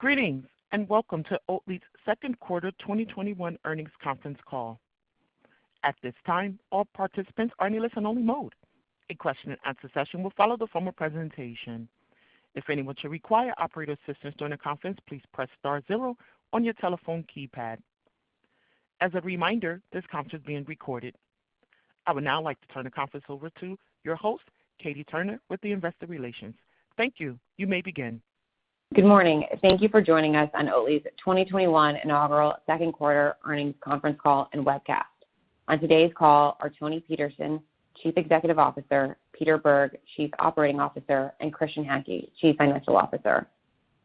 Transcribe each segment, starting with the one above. Greetings, welcome to Oatly's second quarter 2021 earnings conference call. I would now like to turn the conference over to your host, Katie Turner, with the investor relations. Thank you. You may begin. Good morning. Thank you for joining us on Oatly's 2021 inaugural second quarter earnings conference call and webcast. On today's call are Toni Petersson, Chief Executive Officer, Peter Bergh, Chief Operating Officer, and Christian Hanke, Chief Financial Officer.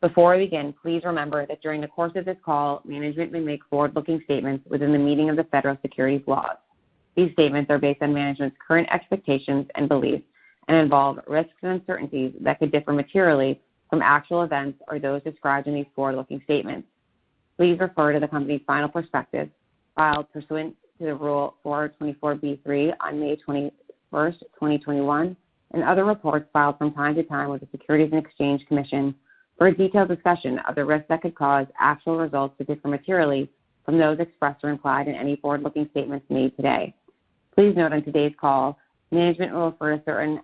Before we begin, please remember that during the course of this call, management may make forward-looking statements within the meaning of the federal securities laws. These statements are based on management's current expectations and beliefs and involve risks and uncertainties that could differ materially from actual events or those described in these forward-looking statements. Please refer to the company's final prospectus, filed pursuant to Rule 424(b)(3) on May 21st, 2021, and other reports filed from time to time with the Securities and Exchange Commission for a detailed discussion of the risks that could cause actual results to differ materially from those expressed or implied in any forward-looking statements made today. Please note on today's call, management will refer to certain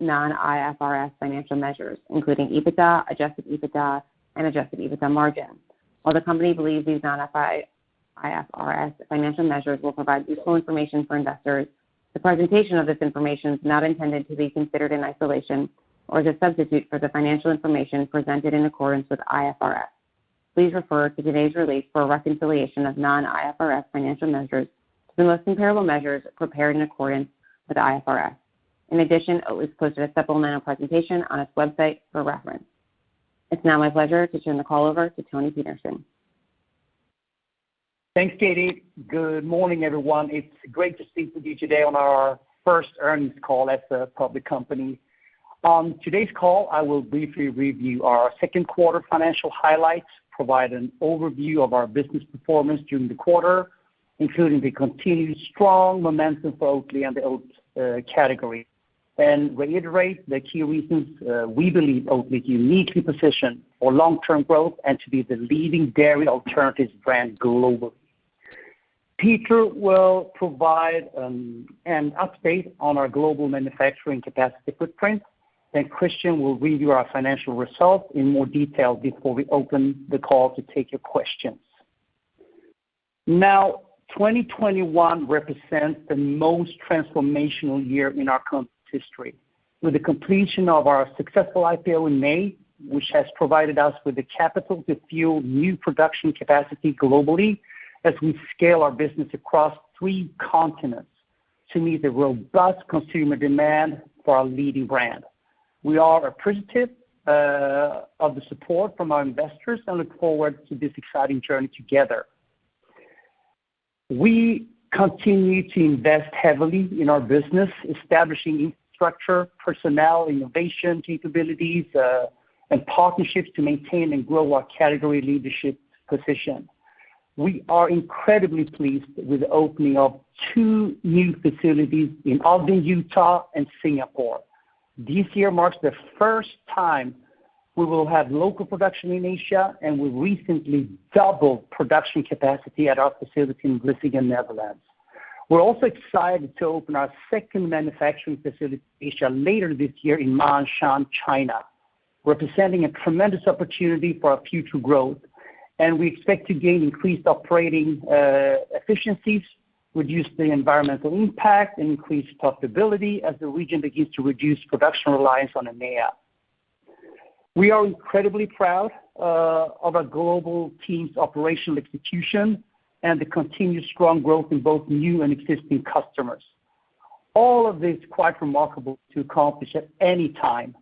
non-IFRS financial measures, including EBITDA, adjusted EBITDA, and adjusted EBITDA margin. While the company believes these non-IFRS financial measures will provide useful information for investors, the presentation of this information is not intended to be considered in isolation or to substitute for the financial information presented in accordance with IFRS. Please refer to today's release for a reconciliation of non-IFRS financial measures to the most comparable measures prepared in accordance with IFRS. In addition, Oatly's posted a supplemental presentation on its website for reference. It's now my pleasure to turn the call over to Toni Petersson. Thanks, Katie. Good morning, everyone. It's great to speak with you today on our first earnings call as a public company. On today's call, I will briefly review our second quarter financial highlights, provide an overview of our business performance during the quarter, including the continued strong momentum for Oatly and the oats category, and reiterate the key reasons we believe Oatly is uniquely positioned for long-term growth and to be the leading dairy alternatives brand globally. Peter will provide an update on our global manufacturing capacity footprint, then Christian will review our financial results in more detail before we open the call to take your questions. 2021 represents the most transformational year in our company's history. With the completion of our successful IPO in May, which has provided us with the capital to fuel new production capacity globally as we scale our business across three continents to meet the robust consumer demand for our leading brand. We are appreciative of the support from our investors and look forward to this exciting journey together. We continue to invest heavily in our business, establishing infrastructure, personnel, innovation capabilities, and partnerships to maintain and grow our category leadership position. We are incredibly pleased with the opening of two new facilities in Ogden, Utah, and Singapore. This year marks the first time we will have local production in Asia, and we recently doubled production capacity at our facility in Bladel, Netherlands. We're also excited to open our second manufacturing facility in Asia later this year in Ma'anshan, China, representing a tremendous opportunity for our future growth. We expect to gain increased operating efficiencies, reduce the environmental impact, and increase profitability as the region begins to reduce production reliance on EMEA. We are incredibly proud of our global team's operational execution and the continued strong growth in both new and existing customers. All of this is quite remarkable to accomplish at any time.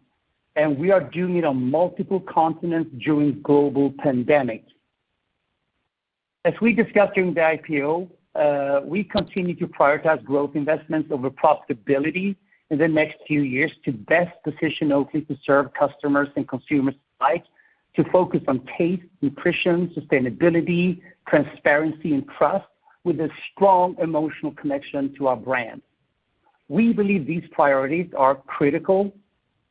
We are doing it on multiple continents during global pandemic. As we discussed during the IPO, we continue to prioritize growth investments over profitability in the next few years to best position Oatly to serve customers and consumers alike, to focus on taste, nutrition, sustainability, transparency, and trust with a strong emotional connection to our brand. We believe these priorities are critical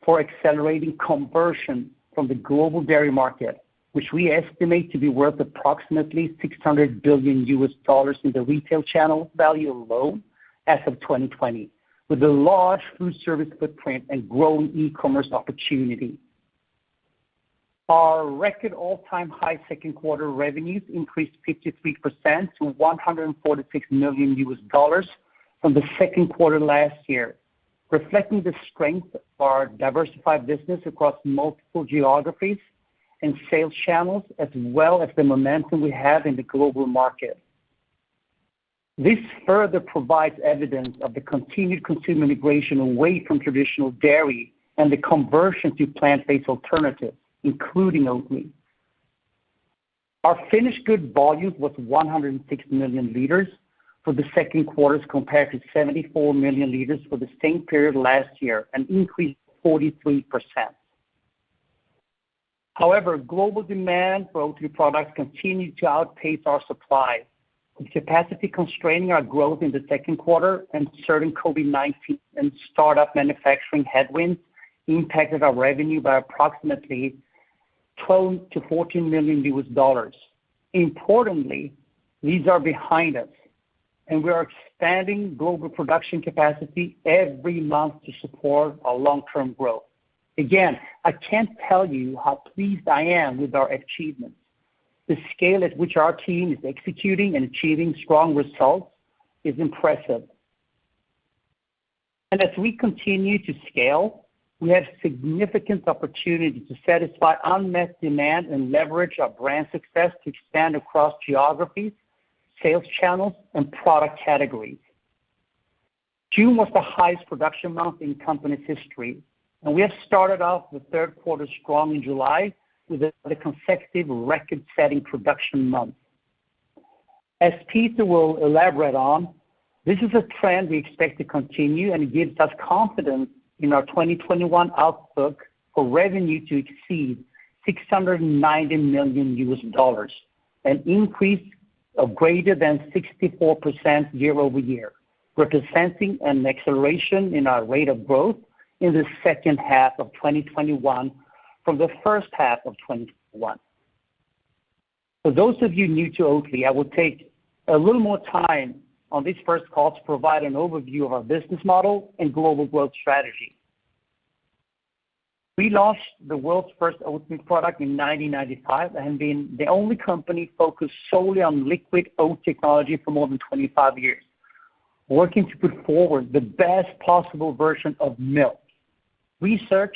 for accelerating conversion from the global dairy market, which we estimate to be worth approximately $600 billion in the retail channel value alone as of 2020, with a large food service footprint and growing e-commerce opportunity. Our record all-time high second quarter revenues increased 53% to $146 million from the second quarter last year, reflecting the strength of our diversified business across multiple geographies and sales channels as well as the momentum we have in the global market. This further provides evidence of the continued consumer migration away from traditional dairy and the conversion to plant-based alternatives, including Oatly. Our finished good volume was 106 million L for the second quarter compared to 74 million L for the same period last year, an increase of 43%. Global demand for Oatly products continued to outpace our supply. The capacity constraining our growth in the second quarter and certain COVID-19 and startup manufacturing headwinds impacted our revenue by approximately $12 million-$14 million. Importantly, these are behind us, and we are expanding global production capacity every month to support our long-term growth. Again, I can't tell you how pleased I am with our achievements. The scale at which our team is executing and achieving strong results is impressive. As we continue to scale, we have significant opportunity to satisfy unmet demand and leverage our brand success to expand across geographies, sales channels, and product categories. June was the highest production month in the company's history, and we have started off the third quarter strong in July with another consecutive record-setting production month. As Peter will elaborate on, this is a trend we expect to continue, and it gives us confidence in our 2021 outlook for revenue to exceed $690 million, an increase of greater than 64% year-over-year, representing an acceleration in our rate of growth in the second half of 2021 from the first half of 2021. For those of you new to Oatly, I will take a little more time on this first call to provide an overview of our business model and global growth strategy. We launched the world's first oatmilk product in 1995 and have been the only company focused solely on liquid oat technology for more than 25 years, working to put forward the best possible version of milk. Research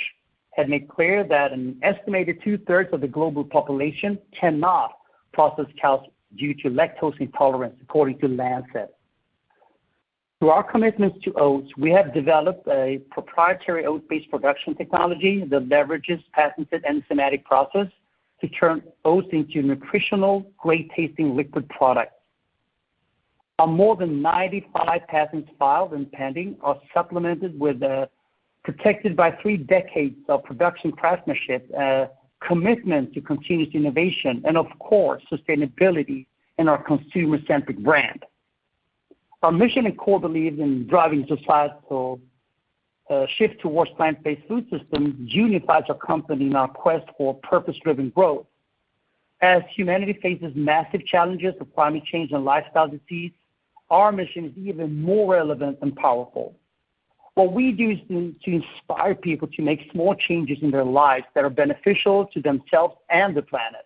has made clear that an estimated two-thirds of the global population cannot process cow's milk due to lactose intolerance, according to The Lancet. Through our commitments to oats, we have developed a proprietary oat-based production technology that leverages patented enzymatic process to turn oats into nutritional, great-tasting liquid products. Our more than 95 patents filed and pending are supplemented with, protected by three decades of production craftsmanship, a commitment to continuous innovation, and of course, sustainability in our consumer-centric brand. Our mission and core beliefs in driving societal shift towards plant-based food systems unifies our company in our quest for purpose-driven growth. As humanity faces massive challenges of climate change and lifestyle disease, our mission is even more relevant and powerful. What we do is to inspire people to make small changes in their lives that are beneficial to themselves and the planet.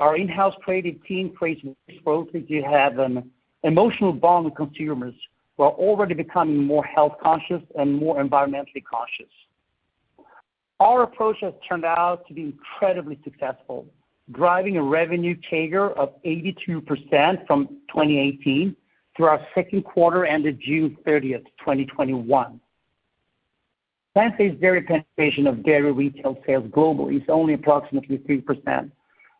Our in-house creative team creates to have an emotional bond with consumers who are already becoming more health-conscious and more environmentally conscious. Our approach has turned out to be incredibly successful, driving a revenue CAGR of 82% from 2018 through our second quarter ended June 30th, 2021. Plant-based dairy penetration of dairy retail sales globally is only approximately 3%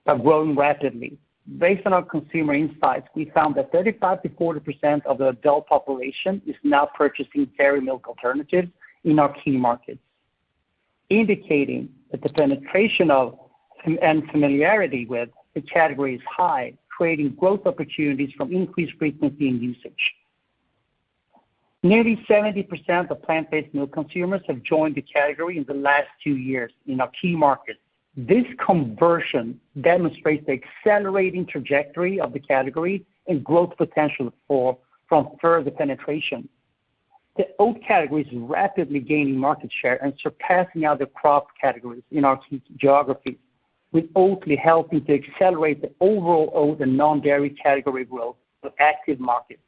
but growing rapidly. Based on our consumer insights, we found that 35%-40% of the adult population is now purchasing dairy milk alternatives in our key markets, indicating that the penetration of, and familiarity with the category is high, creating growth opportunities from increased frequency and usage. Nearly 70% of plant-based milk consumers have joined the category in the last two years in our key markets. This conversion demonstrates the accelerating trajectory of the category and growth potential from further penetration. The oat category is rapidly gaining market share and surpassing other crop categories in our key geographies, with Oatly helping to accelerate the overall oat and non-dairy category growth in active markets.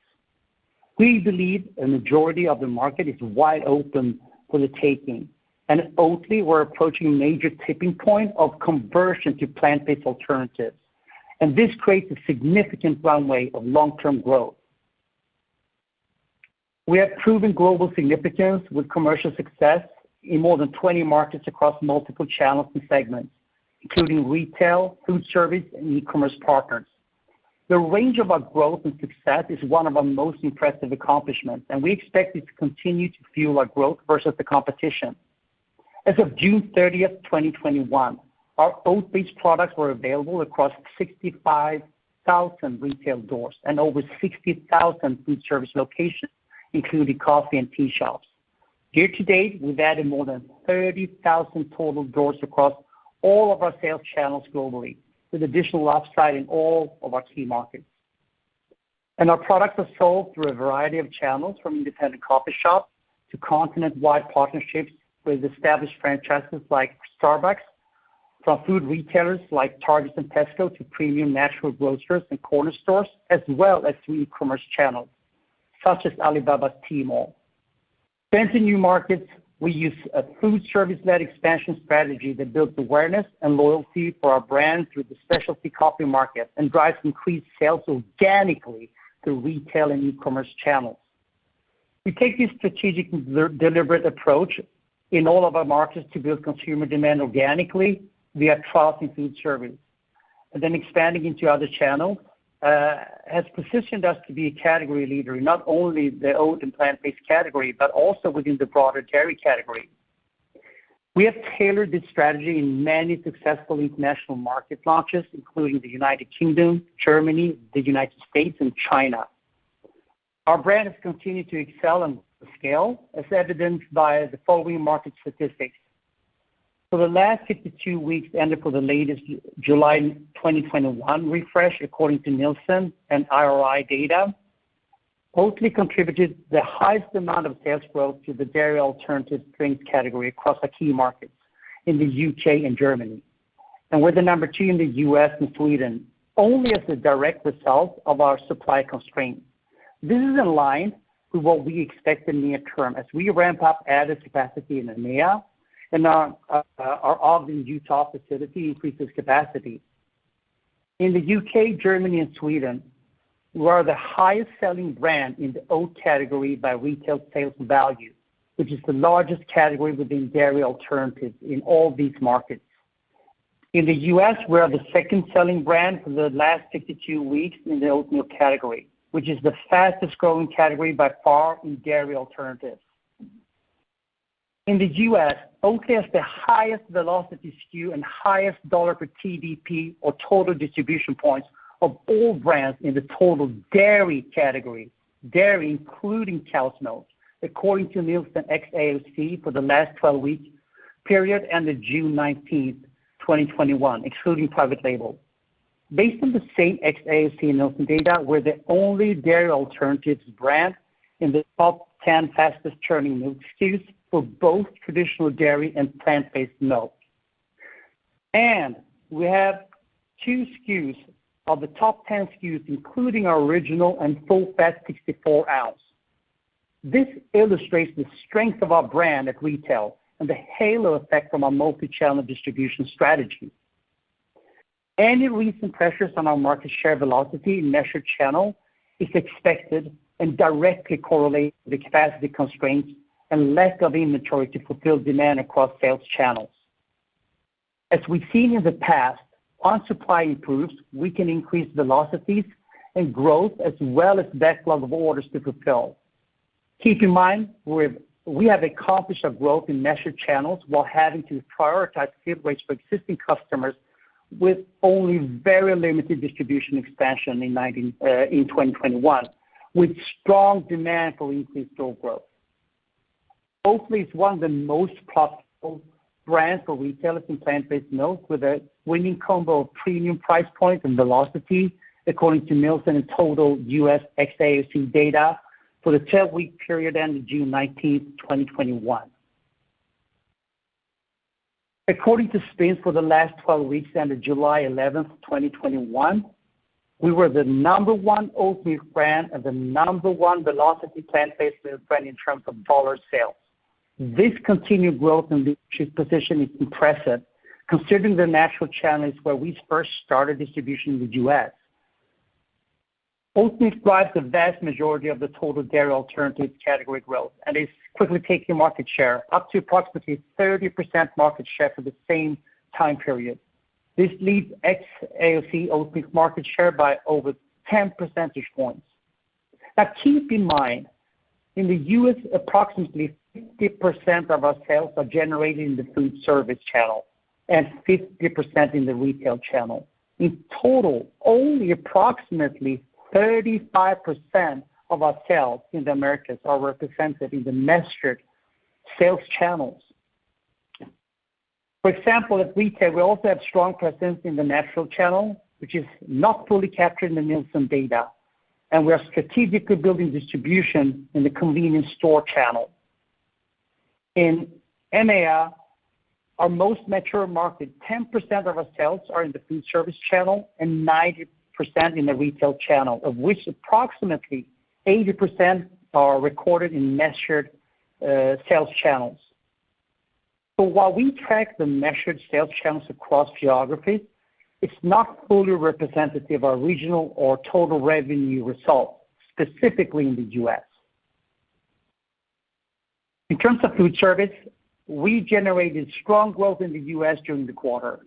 We believe a majority of the market is wide open for the taking. At Oatly, we're approaching a major tipping point of conversion to plant-based alternatives. This creates a significant runway of long-term growth. We have proven global significance with commercial success in more than 20 markets across multiple channels and segments, including retail, food service, and e-commerce partners. The range of our growth and success is one of our most impressive accomplishments. We expect it to continue to fuel our growth versus the competition. As of June 30th, 2021, our oat-based products were available across 65,000 retail doors and over 60,000 food service locations, including coffee and tea shops. Year to date, we've added more than 30,000 total doors across all of our sales channels globally, with additional upside in all of our key markets. Our products are sold through a variety of channels, from independent coffee shops to continent-wide partnerships with established franchises like Starbucks, from food retailers like Target and Tesco to premium natural grocers and corner stores, as well as through e-commerce channels, such as Alibaba's Tmall. To enter new markets, we use a food service-led expansion strategy that builds awareness and loyalty for our brand through the specialty coffee market and drives increased sales organically through retail and e-commerce channels. We take this strategic and deliberate approach in all of our markets to build consumer demand organically via trial through food service. Expanding into other channels has positioned us to be a category leader in not only the oat and plant-based category, but also within the broader dairy category. We have tailored this strategy in many successful international market launches, including the U.K., Germany, the U.S., and China. Our brand has continued to excel and scale as evidenced by the following market statistics. For the last 52 weeks ended for the latest July 2021 refresh, according to Nielsen and IRI data, Oatly contributed the highest amount of sales growth to the dairy alternative drinks category across our key markets in the U.K. and Germany, and we're the number two in the U.S. and Sweden only as a direct result of our supply constraints. This is in line with what we expect in the near term as we ramp up added capacity in EMEA and our Ogden, Utah, facility increases capacity. In the U.K., Germany, and Sweden, we are the highest-selling brand in the oat category by retail sales value, which is the largest category within dairy alternatives in all these markets. In the U.S., we are the second-selling brand for the last 52 weeks in the oatmilk category, which is the fastest-growing category by far in dairy alternatives. In the U.S., Oatly has the highest velocity SKU and highest dollar per TDP or total distribution points of all brands in the total dairy category, dairy including cow's milk, according to Nielsen XAOC for the last 12-week period end of June 19th, 2021, excluding private label. Based on the same XAOC Nielsen data, we're the only dairy alternatives brand in the top 10 fastest-turning milk SKUs for both traditional dairy and plant-based milk. We have two SKUs of the top 10 SKUs, including our original and full-fat 64 oz. This illustrates the strength of our brand at retail and the halo effect from our multi-channel distribution strategy. Any recent pressures on our market share velocity in measured channel is expected and directly correlate to the capacity constraints and lack of inventory to fulfill demand across sales channels. As we've seen in the past, once supply improves, we can increase velocities and growth as well as backlog of orders to fulfill. Keep in mind, we have accomplished our growth in measured channels while having to prioritize ship rates for existing customers with only very limited distribution expansion in 2021, with strong demand for increased store growth. Oatly is one of the most profitable brands for retailers in plant-based milk with a winning combo of premium price point and velocity, according to Nielsen in total U.S. XAOC data for the 12-week period ending June 19th, 2021. According to SPINS for the last 12 weeks ending July 11th, 2021, we were the number one Oatly brand and the number one velocity plant-based milk brand in terms of dollar sales. This continued growth and leadership position is impressive considering the natural challenge where we first started distribution in the U.S. Oatly drives the vast majority of the total dairy alternatives category growth and is quickly taking market share up to approximately 30% market share for the same time period. This leads XAOC Oatly market share by over 10 percentage points. Keep in mind, in the U.S., approximately 50% of our sales are generated in the food service channel and 50% in the retail channel. In total, only approximately 35% of our sales in the Americas are represented in the measured sales channels. For example, at retail, we also have strong presence in the natural channel, which is not fully captured in the Nielsen data, and we are strategically building distribution in the convenience store channel. In EMEA, our most mature market, 10% of our sales are in the food service channel and 90% in the retail channel, of which approximately 80% are recorded in measured sales channels. While we track the measured sales channels across geographies, it's not fully representative of regional or total revenue results, specifically in the U.S. In terms of food service, we generated strong growth in the U.S. during the quarter.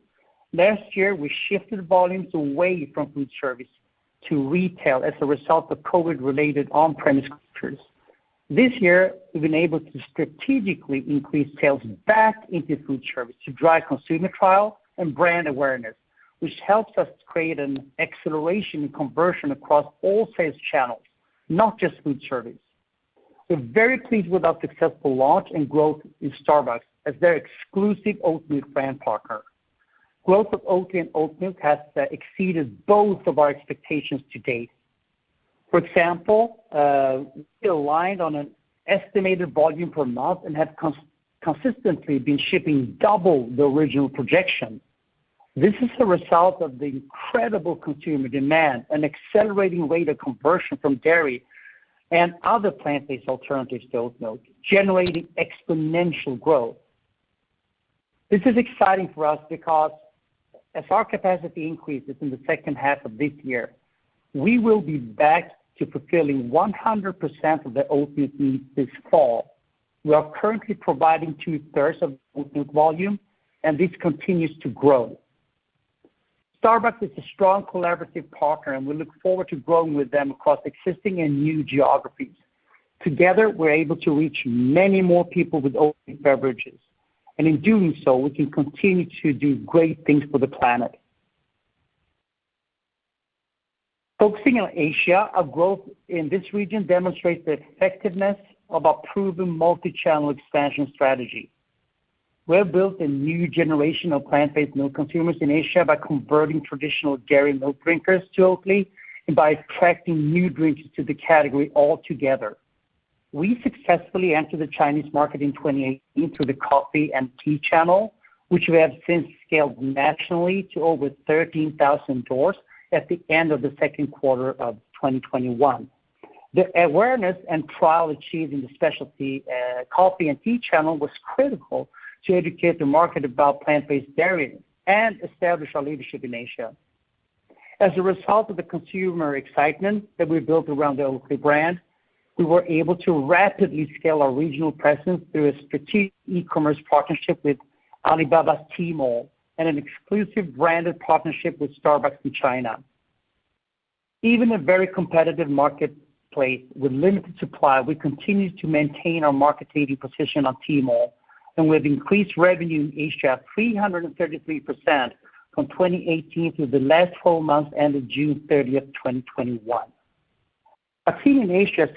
Last year, we shifted volumes away from food service to retail as a result of COVID-related on-premise closures. This year, we've been able to strategically increase sales back into food service to drive consumer trial and brand awareness, which helps us create an acceleration in conversion across all sales channels, not just food service. We're very pleased with our successful launch and growth in Starbucks as their exclusive oatmilk brand partner. Growth of Oatly and oatmilk has exceeded both of our expectations to date. For example, we aligned on an estimated volume per month and have consistently been shipping double the original projection. This is the result of the incredible consumer demand and accelerating rate of conversion from dairy and other plant-based alternatives to oatmilk, generating exponential growth. This is exciting for us because as our capacity increases in the second half of this year, we will be back to fulfilling 100% of the Oatly needs this fall. We are currently providing 2/3 of the oatmilk volume, and this continues to grow. Starbucks is a strong collaborative partner, and we look forward to growing with them across existing and new geographies. Together, we're able to reach many more people with Oatly beverages, and in doing so, we can continue to do great things for the planet. Focusing on Asia, our growth in this region demonstrates the effectiveness of our proven multi-channel expansion strategy. We have built a new generation of plant-based milk consumers in Asia by converting traditional dairy milk drinkers to Oatly and by attracting new drinkers to the category altogether. We successfully entered the Chinese market in 2018 through the coffee and tea channel, which we have since scaled nationally to over 13,000 stores at the end of the second quarter of 2021. The awareness and trial achieved in the specialty coffee and tea channel was critical to educate the market about plant-based dairy and establish our leadership in Asia. As a result of the consumer excitement that we've built around the Oatly brand, we were able to rapidly scale our regional presence through a strategic e-commerce partnership with Alibaba's Tmall and an exclusive branded partnership with Starbucks in China. Even in a very competitive marketplace with limited supply, we continued to maintain our market-leading position on Tmall, and we have increased revenue in Asia 333% from 2018 through the last 12 months ended June 30th, 2021. Our team in Asia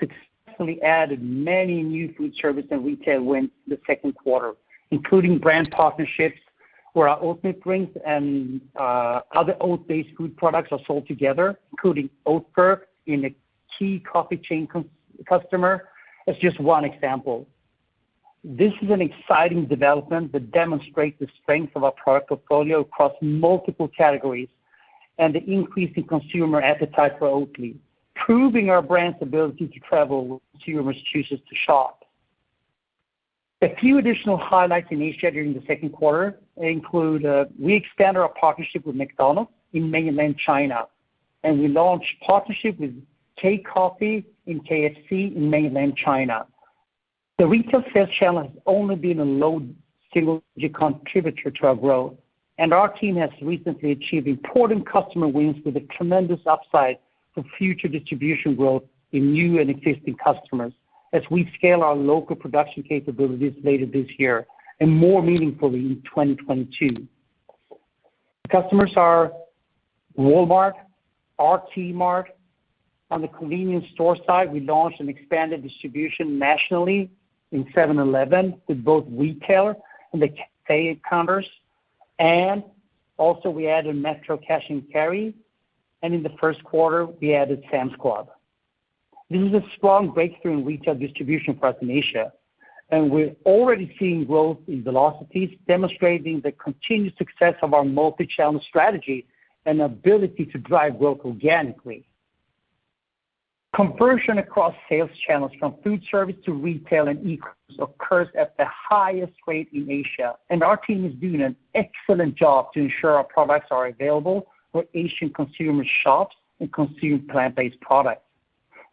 successfully added many new food service and retail wins in Q2, including brand partnerships where our Oatly drinks and other oat-based food products are sold together, including Oatgurt in a key coffee chain customer. That's just one example. This is an exciting development that demonstrates the strength of our product portfolio across multiple categories and the increasing consumer appetite for Oatly, proving our brand's ability to travel where consumers choose to shop. A few additional highlights in Asia during Q2 include we expanded our partnership with McDonald's in mainland China, and we launched partnership with K Coffee and KFC in mainland China. The retail sales channel has only been a low single contributor to our growth. Our team has recently achieved important customer wins with a tremendous upside for future distribution growth in new and existing customers as we scale our local production capabilities later this year, and more meaningfully in 2022. Customers are Walmart, RT-Mart. On the convenience store side, we launched an expanded distribution nationally in 7-Eleven with both retail and the cafe counters, and also we added METRO Cash & Carry, and in the first quarter, we added Sam's Club. This is a strong breakthrough in retail distribution for us in Asia, and we're already seeing growth in velocities, demonstrating the continued success of our multi-channel strategy and ability to drive growth organically. Conversion across sales channels from food service to retail and e-commerce occurs at the highest rate in Asia, and our team is doing an excellent job to ensure our products are available where Asian consumers shop and consume plant-based products.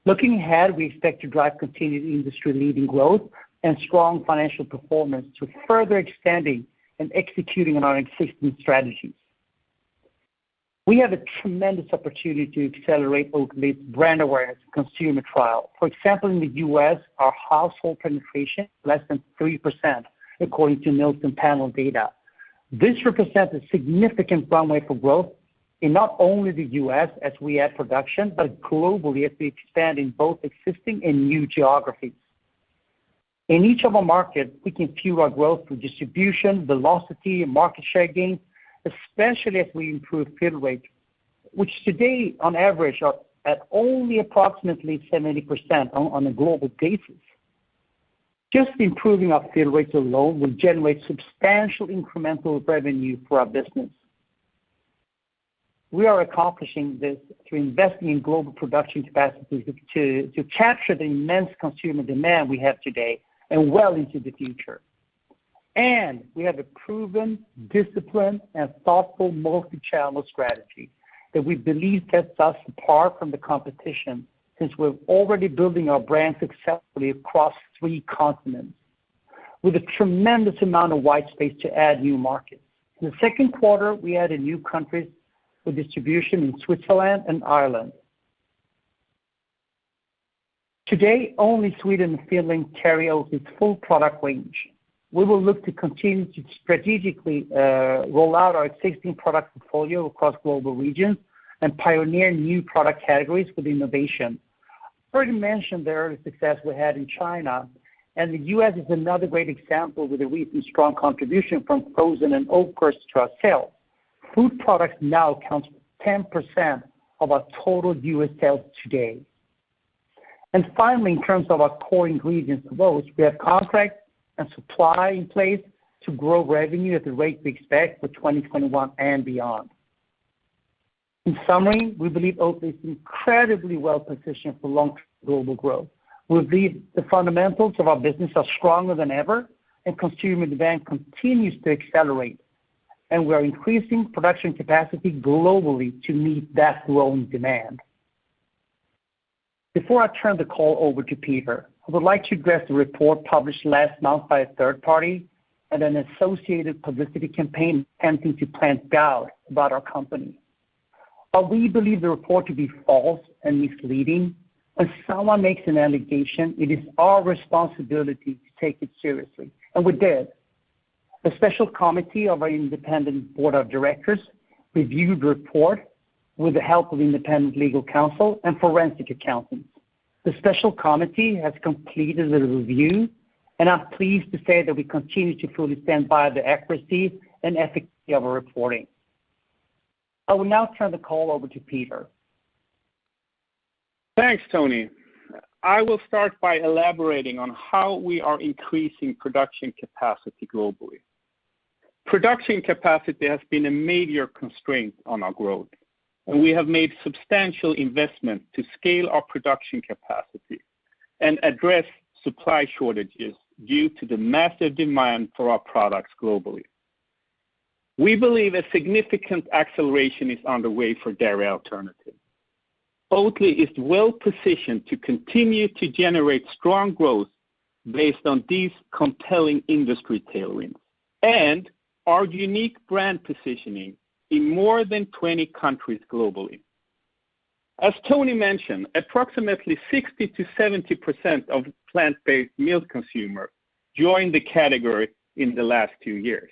Looking ahead, we expect to drive continued industry-leading growth and strong financial performance through further expanding and executing on our existing strategies. We have a tremendous opportunity to accelerate Oatly's brand awareness and consumer trial. For example, in the U.S., our household penetration is less than 3%, according to Nielsen panel data. This represents a significant runway for growth in not only the U.S. as we add production, but globally as we expand in both existing and new geographies. In each of our markets, we can fuel our growth through distribution, velocity, and market share gains, especially as we improve fill rate, which today on average are at only approximately 70% on a global basis. Just improving our fill rates alone will generate substantial incremental revenue for our business. We are accomplishing this through investing in global production capacity to capture the immense consumer demand we have today and well into the future. We have a proven discipline and thoughtful multi-channel strategy that we believe sets us apart from the competition, since we're already building our brand successfully across three continents with a tremendous amount of white space to add new markets. In the second quarter, we added new countries for distribution in Switzerland and Ireland. Today, only Sweden is filling [carry out] its full product range. We will look to continue to strategically roll out our existing product portfolio across global regions and pioneer new product categories with innovation. I've already mentioned the early success we had in China. The U.S. is another great example with the recent strong contribution from frozen and Oatgurts to our sales. Food products now account for 10% of our total U.S. sales today. Finally, in terms of our core ingredients and oats, we have contracts and supply in place to grow revenue at the rate we expect for 2021 and beyond. In summary, we believe Oatly is incredibly well-positioned for long-term global growth. We believe the fundamentals of our business are stronger than ever and consumer demand continues to accelerate, and we are increasing production capacity globally to meet that growing demand. Before I turn the call over to Peter, I would like to address the report published last month by a third party and an associated publicity campaign attempting to plant doubt about our company. While we believe the report to be false and misleading, when someone makes an allegation, it is our responsibility to take it seriously, and we did. A special committee of our independent board of directors reviewed the report with the help of independent legal counsel and forensic accountants. The special committee has completed the review, and I'm pleased to say that we continue to fully stand by the accuracy and efficacy of our reporting. I will now turn the call over to Peter. Thanks, Toni. I will start by elaborating on how we are increasing production capacity globally. We have made substantial investment to scale our production capacity and address supply shortages due to the massive demand for our products globally. We believe a significant acceleration is underway for dairy alternatives. Oatly is well-positioned to continue to generate strong growth based on these compelling industry tailwinds and our unique brand positioning in more than 20 countries globally. As Toni mentioned, approximately 60%-70% of plant-based milk consumers joined the category in the last two years.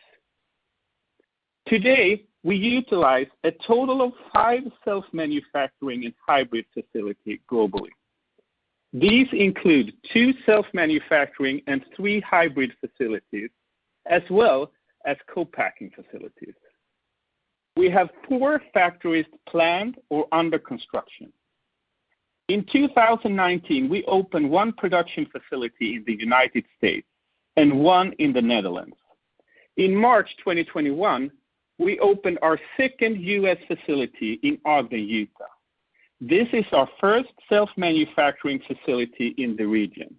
Today, we utilize a total of five self-manufacturing and hybrid facilities globally. These include two self-manufacturing and three hybrid facilities, as well as co-packing facilities. We have four factories planned or under construction. In 2019, we opened one production facility in the U.S. and one in the Netherlands. In March 2021, we opened our second U.S. facility in Ogden, Utah. This is our first self-manufacturing facility in the region.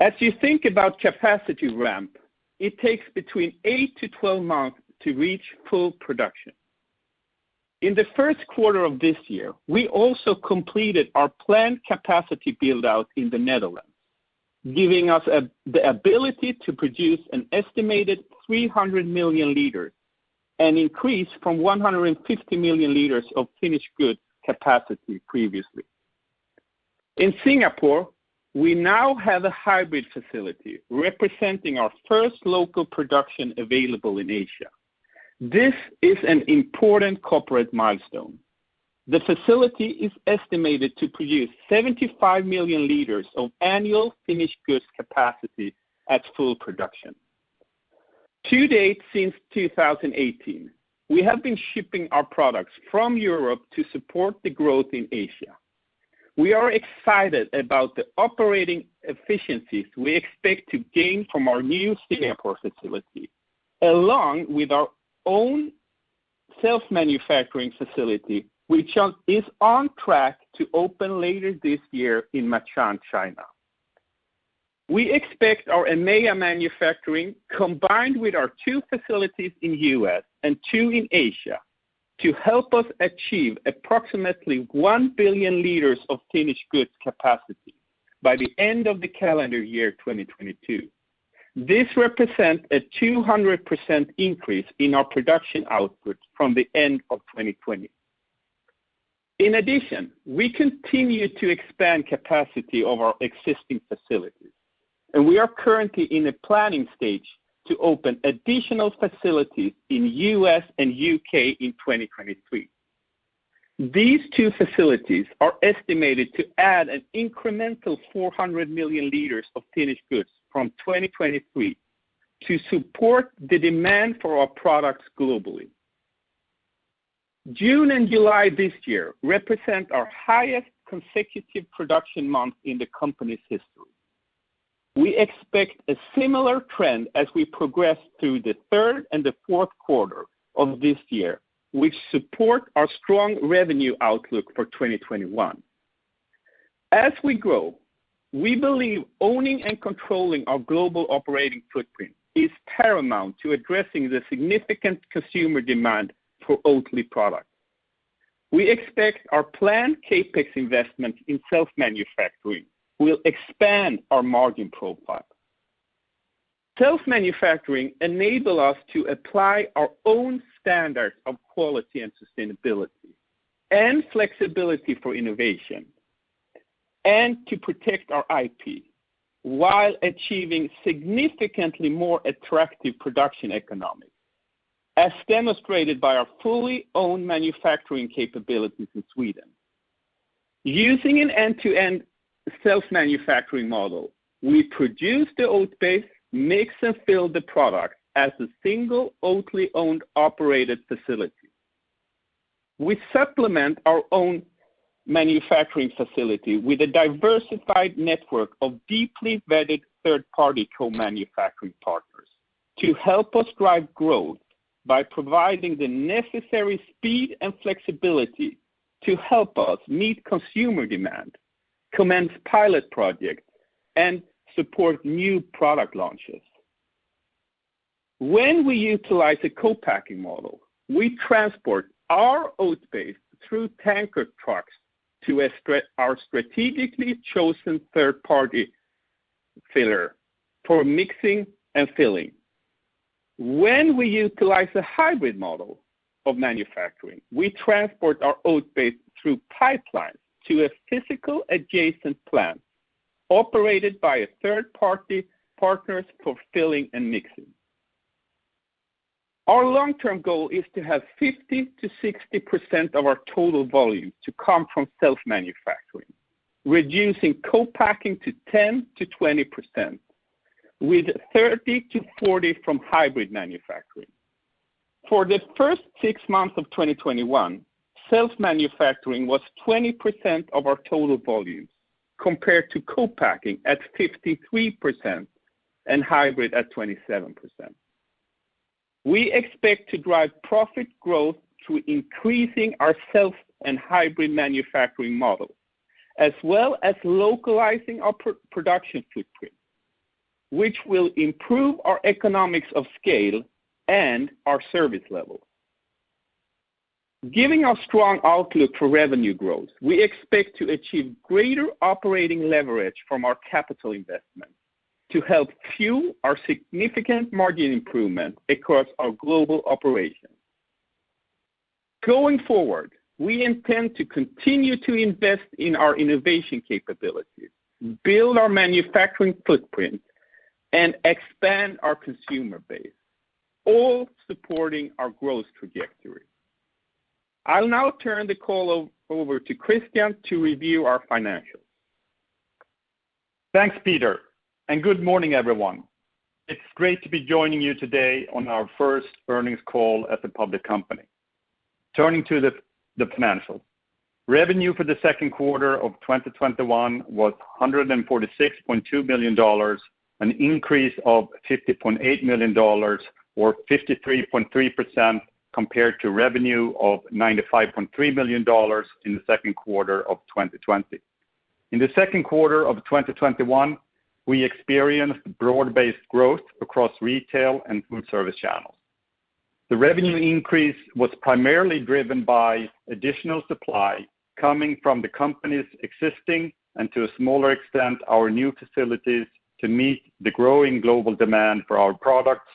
As you think about capacity ramp, it takes between 8 months-12 months to reach full production. In the first quarter of this year, we also completed our planned capacity build-out in the Netherlands, giving us the ability to produce an estimated 300 million L, an increase from 150 million L of finished good capacity previously. In Singapore, we now have a hybrid facility representing our first local production available in Asia. This is an important corporate milestone. The facility is estimated to produce 75 million L of annual finished goods capacity at full production. To date, since 2018, we have been shipping our products from Europe to support the growth in Asia. We are excited about the operating efficiencies we expect to gain from our new Singapore facility, along with our own self-manufacturing facility, which is on track to open later this year in Ma'anshan, China. We expect our EMEA manufacturing, combined with our two facilities in the U.S. and two in Asia, to help us achieve approximately 1 billion L of finished goods capacity by the end of the calendar year 2022. This represents a 200% increase in our production output from the end of 2020. In addition, we continue to expand capacity of our existing facilities, and we are currently in the planning stage to open additional facilities in the U.S. and U.K. in 2023. These two facilities are estimated to add an incremental 400 million L of finished goods from 2023 to support the demand for our products globally. June and July this year represent our highest consecutive production months in the company's history. We expect a similar trend as we progress through the third and the fourth quarter of this year, which support our strong revenue outlook for 2021. As we grow, we believe owning and controlling our global operating footprint is paramount to addressing the significant consumer demand for Oatly products. We expect our planned CapEx investment in self-manufacturing will expand our margin profile. Self-manufacturing enable us to apply our own standards of quality and sustainability and flexibility for innovation and to protect our IP while achieving significantly more attractive production economics, as demonstrated by our fully owned manufacturing capabilities in Sweden. Using an end-to-end self-manufacturing model, we produce the oat base, mix, and fill the product as a single Oatly owned operated facility. We supplement our own manufacturing facility with a diversified network of deeply vetted third-party co-manufacturing partners to help us drive growth by providing the necessary speed and flexibility to help us meet consumer demand, commence pilot projects, and support new product launches. When we utilize a co-packing model, we transport our oat base through tanker trucks to our strategically chosen third-party filler for mixing and filling. When we utilize a hybrid model of manufacturing, we transport our oat base through pipelines to a physical adjacent plant operated by third-party partners for filling and mixing. Our long-term goal is to have 50%-60% of our total volume to come from self-manufacturing, reducing co-packing to 10%-20%, with 30%-40% from hybrid manufacturing. For the first six months of 2021, self-manufacturing was 20% of our total volume, compared to co-packing at 53% and hybrid at 27%. We expect to drive profit growth through increasing our self and hybrid manufacturing model, as well as localizing our production footprint, which will improve our economics of scale and our service level. Given our strong outlook for revenue growth, we expect to achieve greater operating leverage from our capital investment to help fuel our significant margin improvement across our global operations. Going forward, we intend to continue to invest in our innovation capabilities, build our manufacturing footprint, and expand our consumer base, all supporting our growth trajectory. I'll now turn the call over to Christian to review our financials. Thanks, Peter. Good morning, everyone. It's great to be joining you today on our first earnings call as a public company. Turning to the financials. Revenue for Q2 2021 was $146.2 million, an increase of $50.8 million or 53.3% compared to revenue of $95.3 million in Q2 2020. In Q2 2021, we experienced broad-based growth across retail and food service channels. The revenue increase was primarily driven by additional supply coming from the company's existing, and to a smaller extent, our new facilities to meet the growing global demand for our products,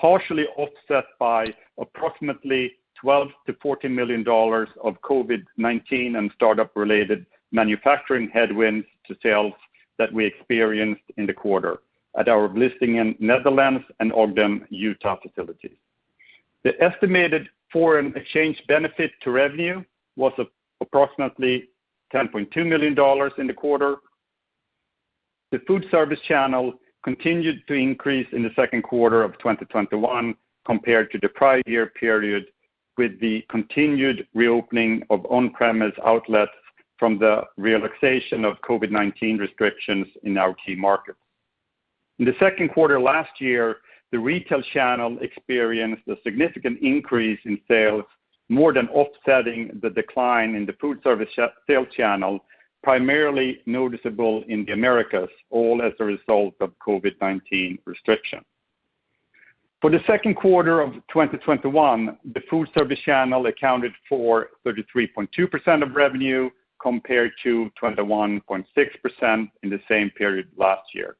partially offset by approximately $12 million-$14 million of COVID-19 and startup-related manufacturing headwinds to sales that we experienced in the quarter at our Vlissingen, Netherlands, and Ogden, Utah, facilities. The estimated foreign exchange benefit to revenue was approximately $10.2 million in the quarter. The food service channel continued to increase in the second quarter of 2021 compared to the prior year period, with the continued reopening of on-premise outlets from the relaxation of COVID-19 restrictions in our key markets. In the second quarter last year, the retail channel experienced a significant increase in sales, more than offsetting the decline in the food service sales channel, primarily noticeable in the Americas, all as a result of COVID-19 restrictions. For the second quarter of 2021, the food service channel accounted for 33.2% of revenue, compared to 21.6% in the same period last year.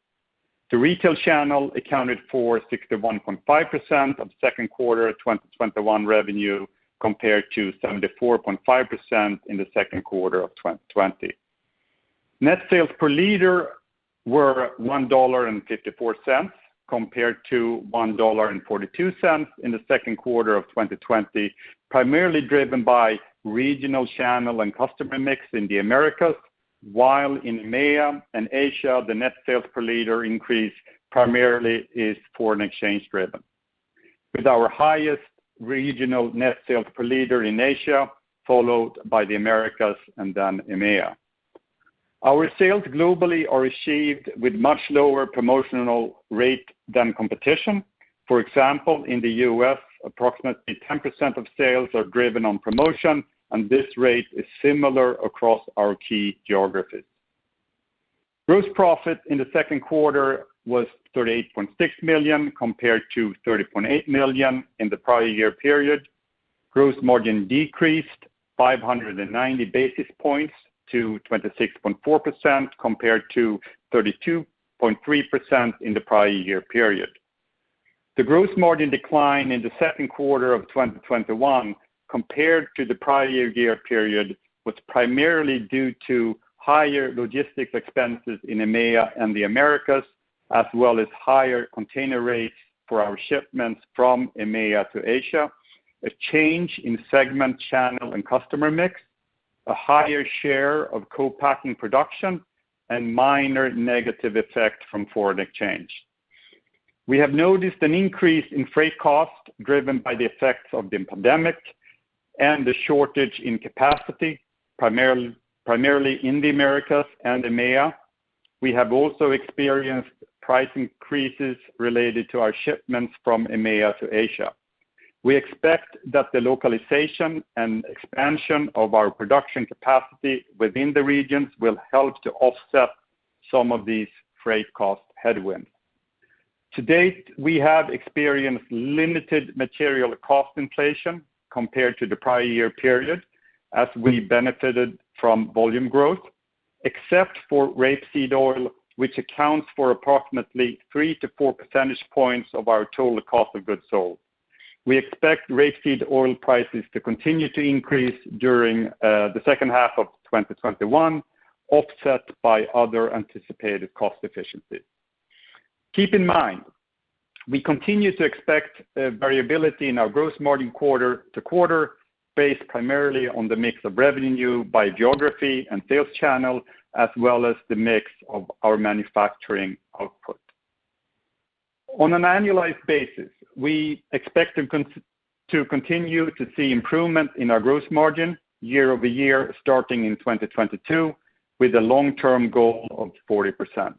The retail channel accounted for 61.5% of second quarter 2021 revenue, compared to 74.5% in the second quarter of 2020. Net sales per L were $1.54 compared to $1.42 in the second quarter of 2020, primarily driven by regional channel and customer mix in the Americas. While in EMEA and Asia, the net sales per L increase primarily is foreign exchange-driven. With our highest regional net sales per L in Asia, followed by the Americas, and then EMEA. Our sales globally are achieved with much lower promotional rate than competition. For example, in the U.S., approximately 10% of sales are driven on promotion, and this rate is similar across our key geographies. Gross profit in the second quarter was 38.6 million compared to 30.8 million in the prior year period. Gross margin decreased 590 basis points to 26.4%, compared to 32.3% in the prior year period. The gross margin decline in the second quarter of 2021 compared to the prior year period was primarily due to higher logistics expenses in EMEA and the Americas, as well as higher container rates for our shipments from EMEA to Asia, a change in segment, channel, and customer mix, a higher share of co-packing production, and minor negative effect from foreign exchange. We have noticed an increase in freight costs driven by the effects of the pandemic and the shortage in capacity, primarily in the Americas and EMEA. We have also experienced price increases related to our shipments from EMEA to Asia. We expect that the localization and expansion of our production capacity within the regions will help to offset some of these freight cost headwinds. To date, we have experienced limited material cost inflation compared to the prior year period, as we benefited from volume growth, except for rapeseed oil, which accounts for approximately 3 percentage point-4 percentage points of our total cost of goods sold. We expect rapeseed oil prices to continue to increase during the second half of 2021, offset by other anticipated cost efficiencies. Keep in mind, we continue to expect variability in our gross margin quarter-to-quarter based primarily on the mix of revenue by geography and sales channel, as well as the mix of our manufacturing output. On an annualized basis, we expect to continue to see improvement in our gross margin year-over-year starting in 2022, with a long-term goal of 40%.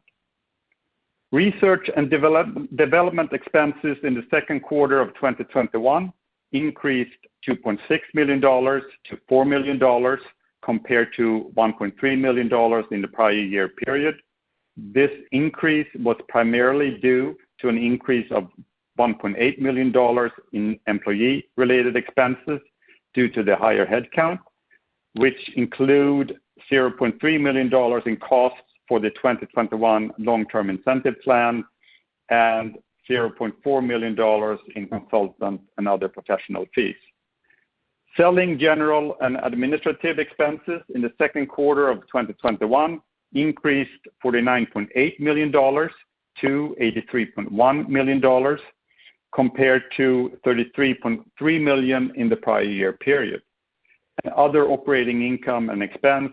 Research and development expenses in the second quarter of 2021 increased to $2.6 million-$4 million, compared to $1.3 million in the prior year period. This increase was primarily due to an increase of $1.8 million in employee-related expenses due to the higher headcount, which include $0.3 million in costs for the 2021 long-term incentive plan and $0.4 million in consultants and other professional fees. Selling general and administrative expenses in the second quarter of 2021 increased $49.8 million-$83.1 million compared to $33.3 million in the prior year period. Other operating income and expense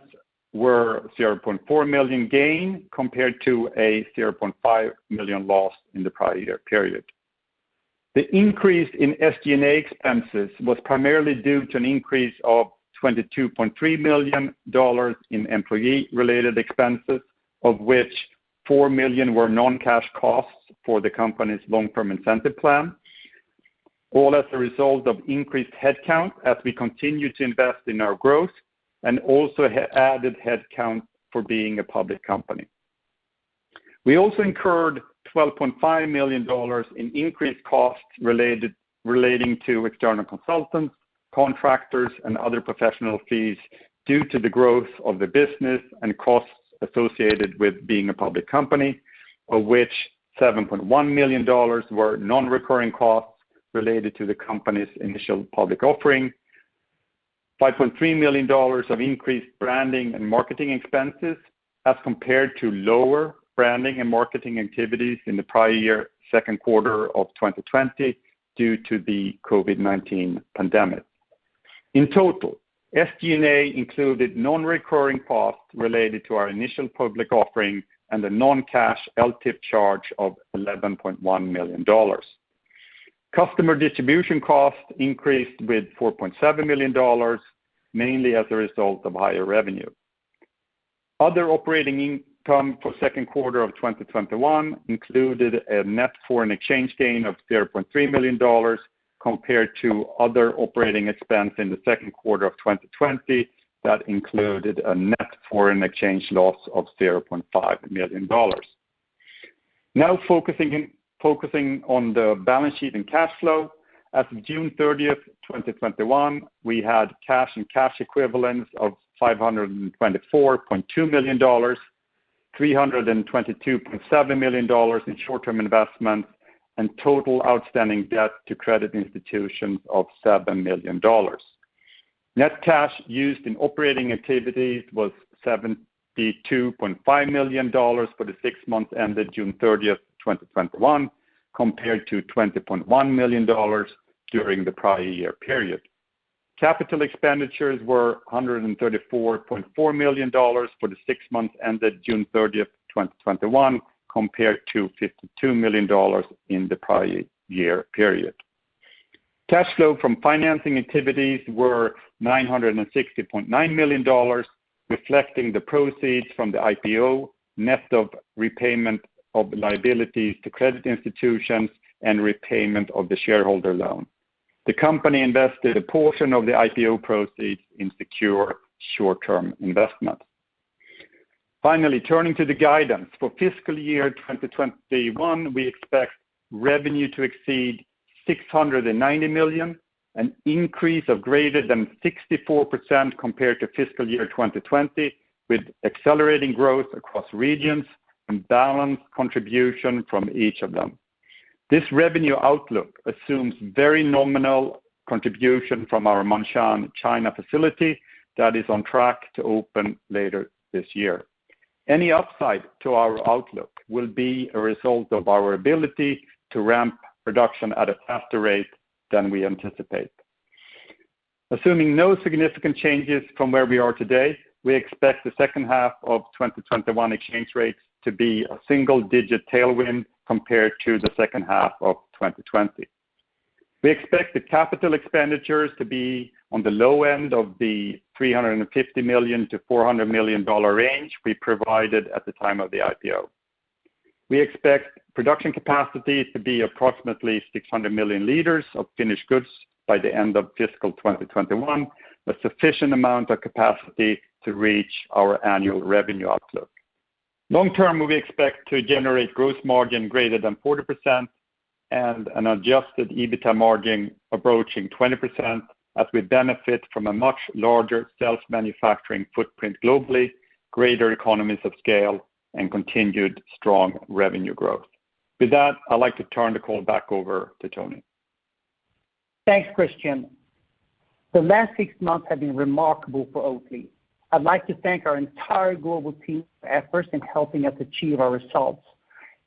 were $0.4 million gain compared to a $0.5 million loss in the prior year period. The increase in SG&A expenses was primarily due to an increase of $22.3 million in employee-related expenses, of which $4 million were non-cash costs for the company's long-term incentive plan, all as a result of increased headcount as we continue to invest in our growth and also added headcount for being a public company. We also incurred $12.5 million in increased costs relating to external consultants, contractors, and other professional fees due to the growth of the business and costs associated with being a public company, of which $7.1 million were non-recurring costs related to the company's initial public offering. $5.3 million of increased branding and marketing expenses as compared to lower branding and marketing activities in the prior year second quarter of 2020 due to the COVID-19 pandemic. In total, SG&A included non-recurring costs related to our initial public offering and a non-cash LTIP charge of $11.1 million. Customer distribution costs increased with $4.7 million, mainly as a result of higher revenue. Other operating income for second quarter of 2021 included a net foreign exchange gain of $0.3 million compared to other operating expense in the second quarter of 2020 that included a net foreign exchange loss of $0.5 million. Focusing on the balance sheet and cash flow. As of June 30th, 2021, we had cash and cash equivalents of $524.2 million, $322.7 million in short-term investments, and total outstanding debt to credit institutions of $7 million. Net cash used in operating activities was $72.5 million for the six months ended June 30th, 2021, compared to $20.1 million during the prior year period. Capital expenditures were $134.4 million for the six months ended June 30th, 2021, compared to $52 million in the prior year period. Cash flow from financing activities were $960.9 million, reflecting the proceeds from the IPO, net of repayment of liabilities to credit institutions and repayment of the shareholder loan. The company invested a portion of the IPO proceeds in secure short-term investments. Turning to the guidance. For fiscal year 2021, we expect revenue to exceed $690 million, an increase of greater than 64% compared to fiscal year 2020, with accelerating growth across regions and balanced contribution from each of them. This revenue outlook assumes very nominal contribution from our Ma'anshan China facility that is on track to open later this year. Any upside to our outlook will be a result of our ability to ramp production at a faster rate than we anticipate. Assuming no significant changes from where we are today, we expect the second half of 2021 exchange rates to be a single-digit tailwind compared to the second half of 2020. We expect the capital expenditures to be on the low end of the $350 million-$400 million range we provided at the time of the IPO. We expect production capacity to be approximately 600 million L of finished goods by the end of fiscal 2021, a sufficient amount of capacity to reach our annual revenue outlook. Long-term, we expect to generate gross margin greater than 40% and an adjusted EBITDA margin approaching 20% as we benefit from a much larger self-manufacturing footprint globally, greater economies of scale, and continued strong revenue growth. With that, I'd like to turn the call back over to Toni. Thanks, Christian. The last six months have been remarkable for Oatly. I'd like to thank our entire global team for their efforts in helping us achieve our results.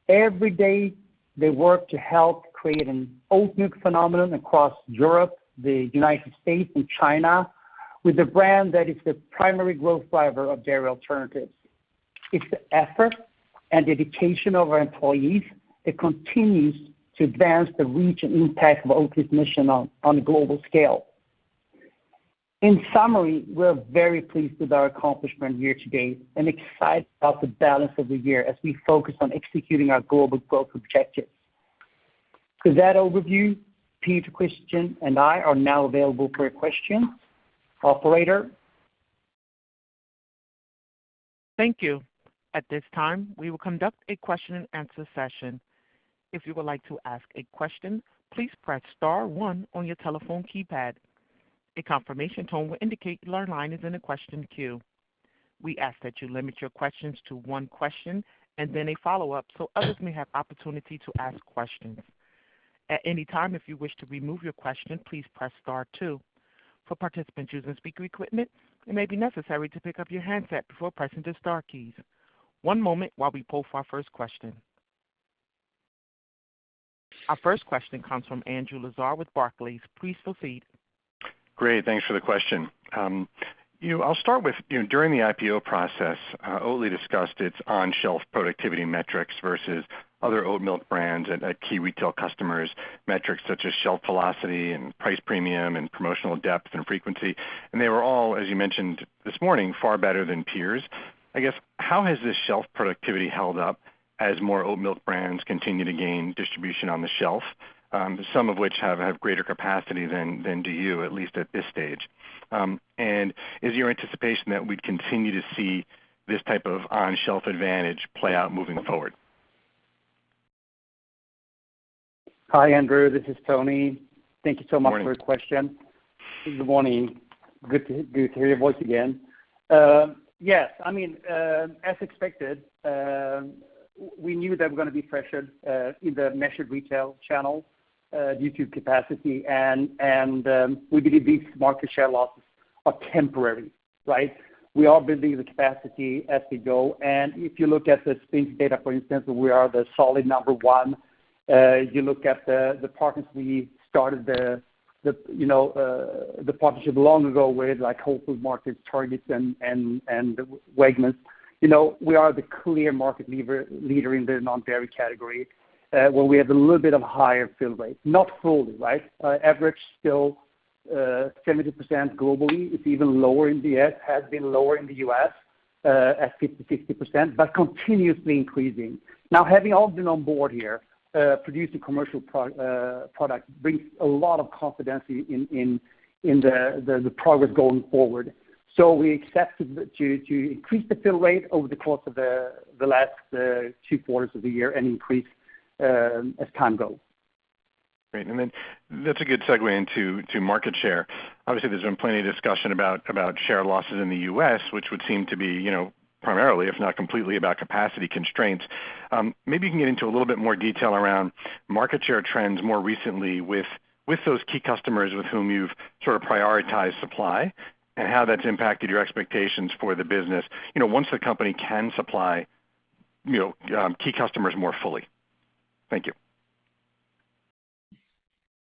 Every day, they work to help create an oatmilk phenomenon across Europe, the United States, and China, with a brand that is the primary growth driver of dairy alternatives. It's the effort and dedication of our employees that continues to advance the reach and impact of Oatly's mission on a global scale. In summary, we're very pleased with our accomplishment here today and excited about the balance of the year as we focus on executing our global growth objectives. With that overview, Peter, Christian, and I are now available for your questions. Operator? Thank you. At this time, we will conduct a question and answer session. Our first question comes from Andrew Lazar with Barclays. Please proceed. Great. Thanks for the question. I'll start with, during the IPO process, Oatly discussed its on-shelf productivity metrics versus other oatmilk brands at key retail customers, metrics such as shelf velocity and price premium and promotional depth and frequency. They were all, as you mentioned this morning, far better than peers. I guess, how has this shelf productivity held up as more oatmilk brands continue to gain distribution on the shelf, some of which have greater capacity than do you, at least at this stage? Is your anticipation that we'd continue to see this type of on-shelf advantage play out moving forward? Hi, Andrew. This is Toni. Thank you so much. Morning for your question. Good morning. Good to hear your voice again. As expected, we knew that we're going to be pressured in the measured retail channels due to capacity, and we believe these market share losses are temporary. Right? We are building the capacity as we go, and if you look at the SPINS data, for instance, we are the solid number 1. You look at the partners we started the partnership long ago with, like Whole Foods Market, Targets, and Wegmans. We are the clear market leader in the non-dairy category, where we have a little bit of higher fill rate, not fully. Right? Average still 70% globally. It's even lower in the U.S., has been lower in the U.S. at 50%, but continuously increasing. Having Ogden on board here, producing commercial product brings a lot of confidence in the progress going forward. We accept to increase the fill rate over the course of the last two quarters of the year and increase as time goes. Great. That's a good segue into market share. Obviously, there's been plenty of discussion about share losses in the U.S., which would seem to be primarily, if not completely, about capacity constraints. Maybe you can get into a little bit more detail around market share trends more recently with those key customers with whom you've sort of prioritized supply and how that's impacted your expectations for the business. Once the company can supply key customers more fully. Thank you.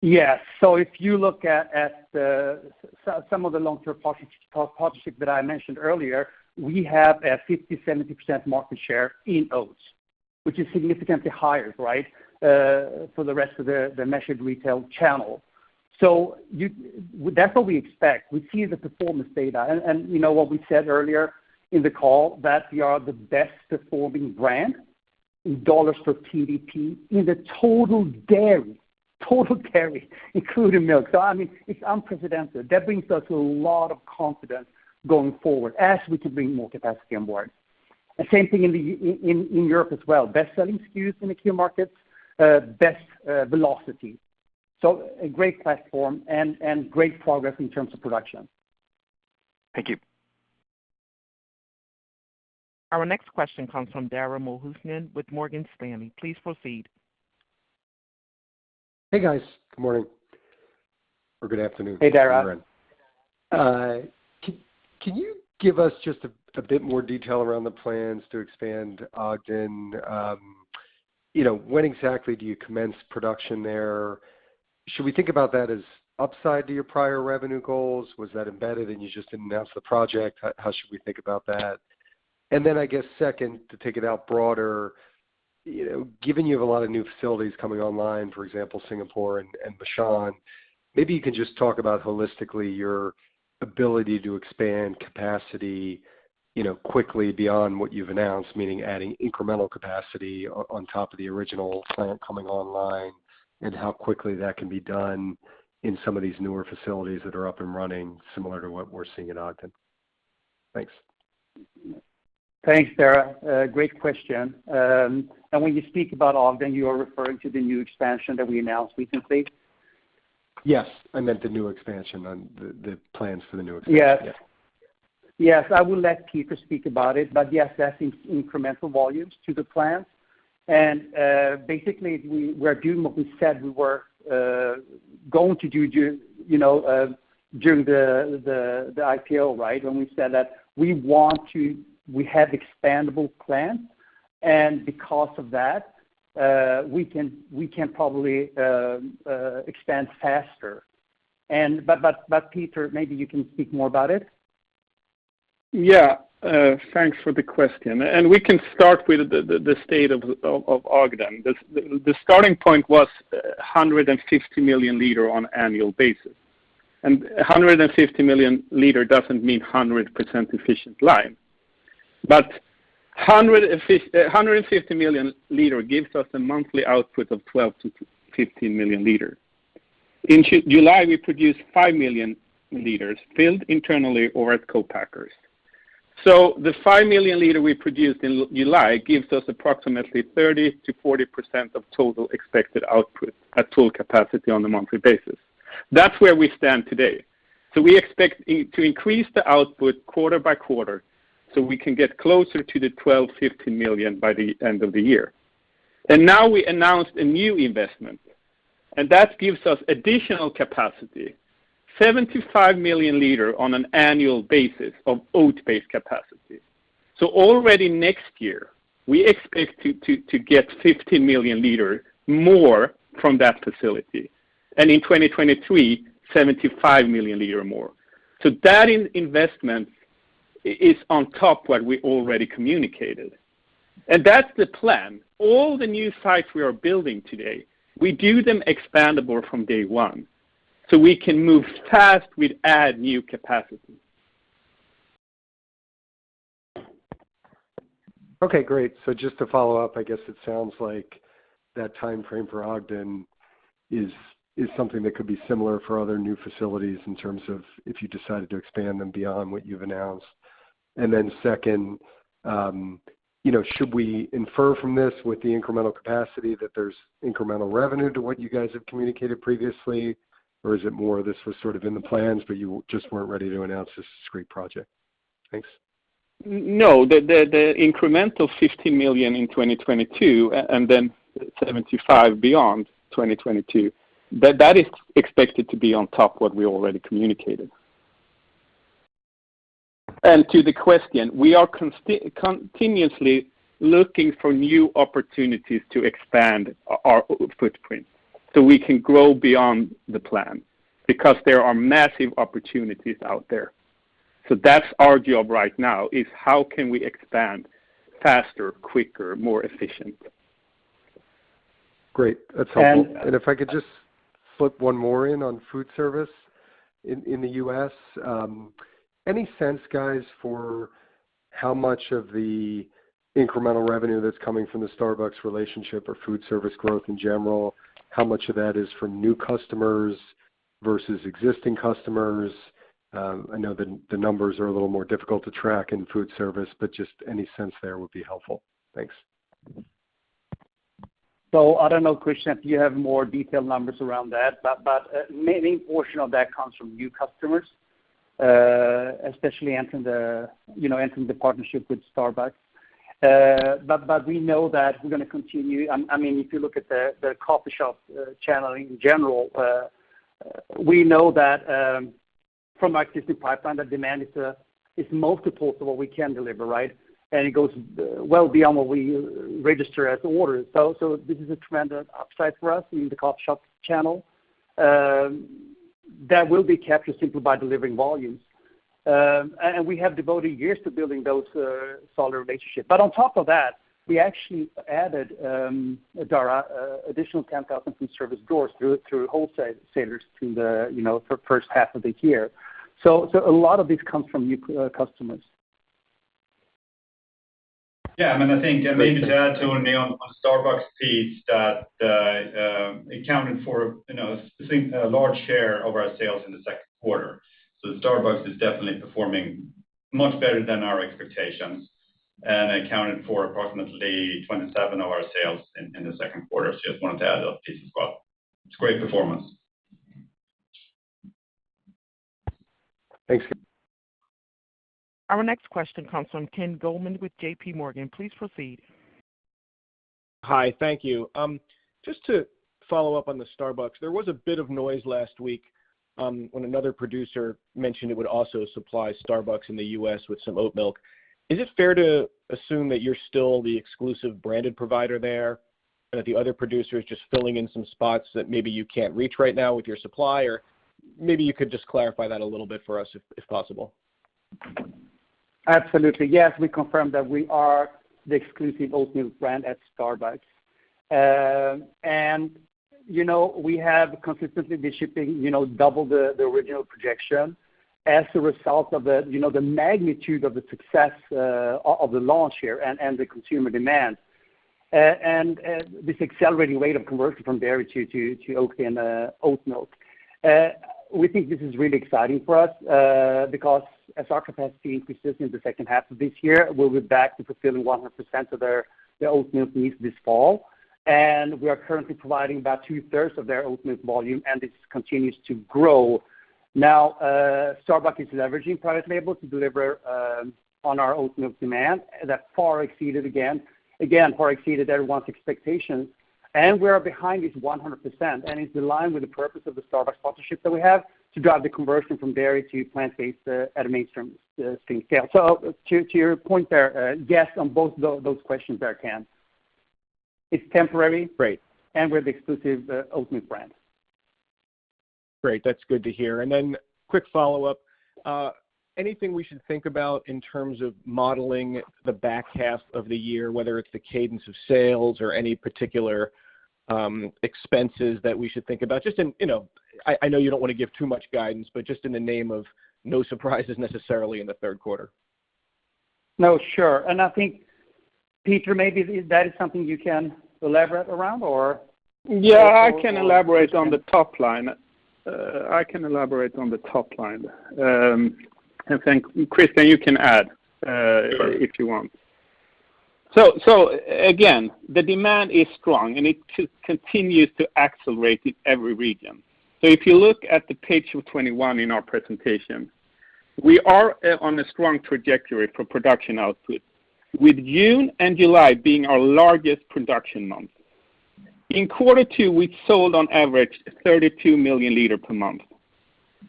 If you look at some of the long-term partnerships that I mentioned earlier, we have a 50%-70% market share in oats, which is significantly higher for the rest of the measured retail channel. That's what we expect. We see the performance data, and you know what we said earlier in the call, that we are the best performing brand in dollars for TDP in the total dairy, including milk. It's unprecedented. That brings us a lot of confidence going forward as we can bring more capacity on board. The same thing in Europe as well, best-selling SKUs in the key markets, best velocity. A great platform and great progress in terms of production. Thank you. Our next question comes from Dara Mohsenian with Morgan Stanley. Please proceed. Hey, guys. Good morning. Good afternoon. Hey, Dara. Can you give us just a bit more detail around the plans to expand Ogden? When exactly do you commence production there? Should we think about that as upside to your prior revenue goals? Was that embedded and you just announced the project? How should we think about that? Then, I guess second, to take it out broader, given you have a lot of new facilities coming online, for example, Singapore and Ma'anshan, maybe you can just talk about holistically your ability to expand capacity quickly beyond what you've announced, meaning adding incremental capacity on top of the original plant coming online, and how quickly that can be done in some of these newer facilities that are up and running similar to what we're seeing in Ogden? Thanks. Thanks, Dara. Great question. When you speak about Ogden, you are referring to the new expansion that we announced recently? Yes. I meant the new expansion on the plans for the new expansion. Yes. Yeah. Yes, I will let Peter speak about it, but yes, that's incremental volumes to the plant. Basically, we're doing what we said we were going to do during the IPO, right? When we said that we have expandable plants, and because of that, we can probably expand faster. Peter, maybe you can speak more about it. Yeah. Thanks for the question. We can start with the state of Oatly. The starting point was 150 million L on an annual basis. 150 million L doesn't mean 100% efficient line. 150 million L gives us a monthly output of 12 million-15 million L. In July, we produced 5 million L, filled internally or at co-packers. The 5 million L we produced in July gives us approximately 30%-40% of total expected output at full capacity on a monthly basis. That's where we stand today. We expect to increase the output quarter by quarter, so we can get closer to the 12 million L-50 million L by the end of the year. Now we announced a new investment, and that gives us additional capacity, 75 million L on an annual basis of oat-based capacity. Already next year, we expect to get 50 million L more from that facility. In 2023, 75 million L more. That investment is on top what we already communicated. That's the plan. All the new sites we are building today, we do them expandable from day one so we can move fast with add new capacity. Okay, great. Just to follow up, I guess it sounds like that timeframe for Ogden is something that could be similar for other new facilities in terms of if you decided to expand them beyond what you've announced. Second, should we infer from this with the incremental capacity that there's incremental revenue to what you guys have communicated previously? Is it more this was sort of in the plans, but you just weren't ready to announce this discrete project? Thanks. No. The incremental 50 million L in 2022 and then 75 million L beyond 2022, that is expected to be on top what we already communicated. To the question, we are continuously looking for new opportunities to expand our footprint so we can grow beyond the plan, because there are massive opportunities out there. That's our job right now is how can we expand faster, quicker, more efficient. Great. That's helpful. And. If I could just slip one more in on food service in the U.S. Any sense, guys, for how much of the incremental revenue that's coming from the Starbucks relationship or food service growth in general, how much of that is from new customers versus existing customers? I know the numbers are a little more difficult to track in food service, but just any sense there would be helpful. Thanks. I don't know, Christian, if you have more detailed numbers around that, but a main portion of that comes from new customers, especially entering the partnership with Starbucks. We know that we're going to continue. If you look at the coffee shop channel in general, we know that from our existing pipeline, that demand is multiples of what we can deliver, right? It goes well beyond what we register as orders. This is a tremendous upside for us in the coffee shop channel that will be captured simply by delivering volumes. We have devoted years to building those solid relationships. On top of that, we actually added, Dara, additional 10,000 food service doors through wholesalers through the first half of the year. A lot of this comes from new customers. Yeah. I think, and maybe to add, Toni, on the Starbucks piece that it accounted for a large share of our sales in the second quarter. Starbucks is definitely performing much better than our expectations and accounted for approximately 27% of our sales in the second quarter. Just wanted to add that piece as well. It's great performance. Thanks. Our next question comes from Ken Goldman with JPMorgan. Please proceed. Hi. Thank you. Just to follow up on the Starbucks, there was a bit of noise last week when another producer mentioned it would also supply Starbucks in the U.S. with some oatmilk. Is it fair to assume that you're still the exclusive branded provider there, and that the other producer is just filling in some spots that maybe you can't reach right now with your supply? Maybe you could just clarify that a little bit for us if possible. Absolutely. Yes, we confirm that we are the exclusive Oatmilk brand at Starbucks. We have consistently been shipping double the original projection as a result of the magnitude of the success of the launch here and the consumer demand, and this accelerating rate of conversion from dairy to Oatly and oatmilk. We think this is really exciting for us, because as our capacity increases in the second half of this year, we'll be back to fulfilling 100% of their oatmilk needs this fall. We are currently providing about two-thirds of their oatmilk volume, and this continues to grow. Now, Starbucks is leveraging private label to deliver on our oatmilk demand. That far exceeded, again, everyone's expectations, and we are behind this 100%. It's in line with the purpose of the Starbucks partnership that we have to drive the conversion from dairy to plant-based at a mainstream scale. To your point there, yes, on both those questions there, Ken. It's temporary. Great. We're the exclusive oatmilk brand. Great. That's good to hear. Quick follow-up, anything we should think about in terms of modeling the back half of the year, whether it's the cadence of sales or any particular expenses that we should think about? I know you don't want to give too much guidance, but just in the name of no surprises necessarily in the third quarter. No, sure. I think, Peter, maybe that is something you can elaborate around or. Yeah, I can elaborate on the top line. I can elaborate on the top line. Then Christian, you can add, if you want. Again, the demand is strong, and it continues to accelerate in every region. If you look at the page 21 in our presentation, we are on a strong trajectory for production output, with June and July being our largest production months. In quarter two, we sold on average 32 million L per month.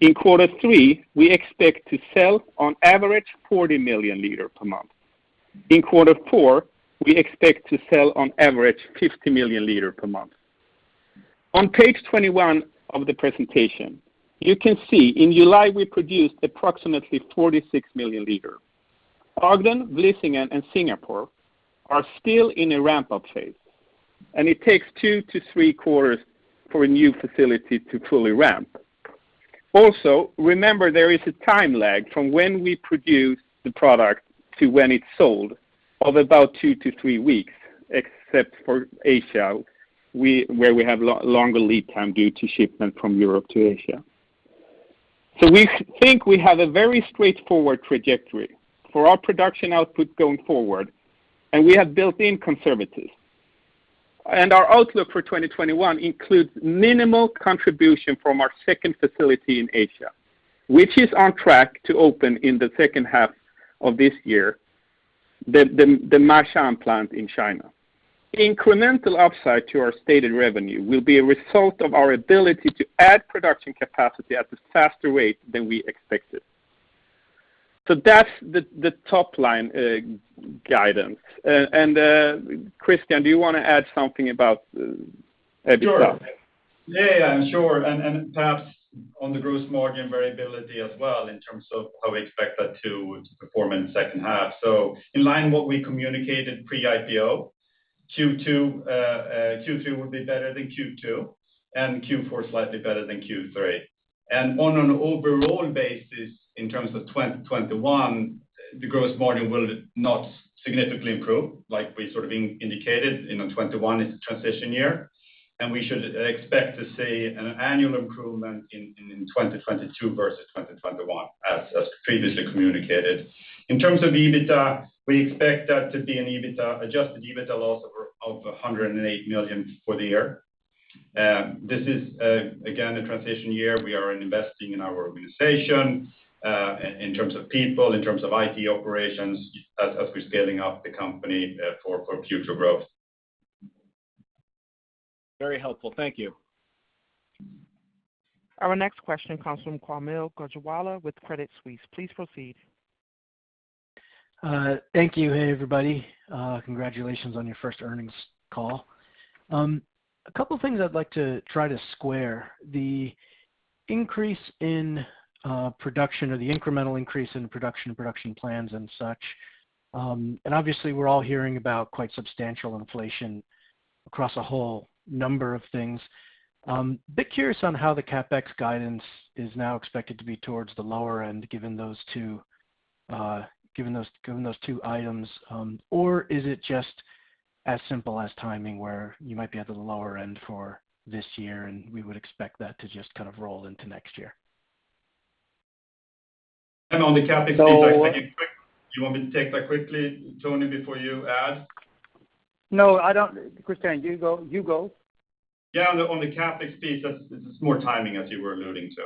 In quarter three, we expect to sell on average 40 million L per month. In quarter four, we expect to sell on average 50 million L per month. On page 21 of the presentation, you can see in July, we produced approximately 46 million L. Ogden, Vlissingen, and Singapore are still in a ramp-up phase, and it takes two to three quarters for a new facility to fully ramp. Remember, there is a time lag from when we produce the product to when it's sold of about two to three weeks, except for Asia, where we have longer lead time due to shipment from Europe to Asia. We think we have a very straightforward trajectory for our production output going forward, and we have built in conservatism. Our outlook for 2021 includes minimal contribution from our second facility in Asia, which is on track to open in the second half of this year, the Ma'anshan plant in China. Incremental upside to our stated revenue will be a result of our ability to add production capacity at a faster rate than we expected. That's the top-line guidance. Christian, do you want to add something about EBITDA? Sure. Yeah, sure. Perhaps on the gross margin variability as well in terms of how we expect that to perform in the second half. In line what we communicated pre-IPO, Q3 would be better than Q2, and Q4 slightly better than Q3. On an overall basis, in terms of 2021, the gross margin will not significantly improve like we indicated. 2021 is a transition year, and we should expect to see an annual improvement in 2022 versus 2021 as previously communicated. In terms of EBITDA, we expect that to be an adjusted EBITDA loss of 108 million for the year. This is, again, a transition year. We are investing in our organization, in terms of people, in terms of IT operations, as we're scaling up the company for future growth. Very helpful. Thank you. Our next question comes from Kaumil Gajrawala with Credit Suisse. Please proceed. Thank you. Hey, everybody. Congratulations on your first earnings call. A couple things I'd like to try to square. The increase in production or the incremental increase in production plans, and such. Obviously, we're all hearing about quite substantial inflation across a whole number of things. A bit curious on how the CapEx guidance is now expected to be towards the lower end given those two items. Is it just as simple as timing, where you might be at the lower end for this year, and we would expect that to just roll into next year? On the CapEx piece, I think do you want me to take that quickly, Toni, before you add? No, I don't. Christian, you go. Yeah, on the CapEx piece, it's more timing as you were alluding to.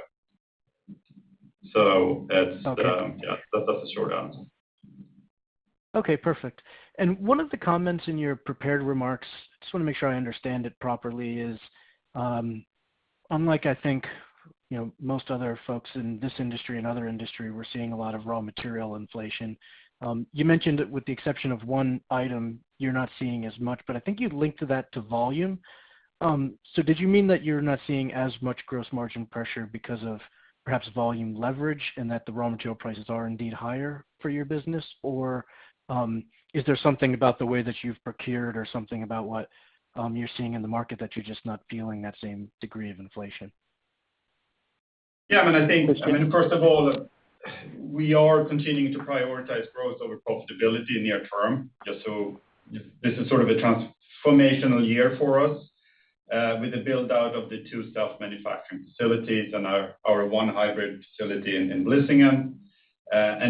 Okay. Yeah, that's the short answer. Okay, perfect. One of the comments in your prepared remarks, just want to make sure I understand it properly, is unlike I think most other folks in this industry and other industry, we're seeing a lot of raw material inflation. You mentioned that with the exception of one item, you're not seeing as much, but I think you linked that to volume. Did you mean that you're not seeing as much gross margin pressure because of perhaps volume leverage and that the raw material prices are indeed higher for your business? Is there something about the way that you've procured or something about what you're seeing in the market that you're just not feeling that same degree of inflation? Yeah, I think, first of all, we are continuing to prioritize growth over profitability near term. This is sort of a transformational year for us with the build-out of the two self-manufacturing facilities and our one hybrid facility in Vlissingen.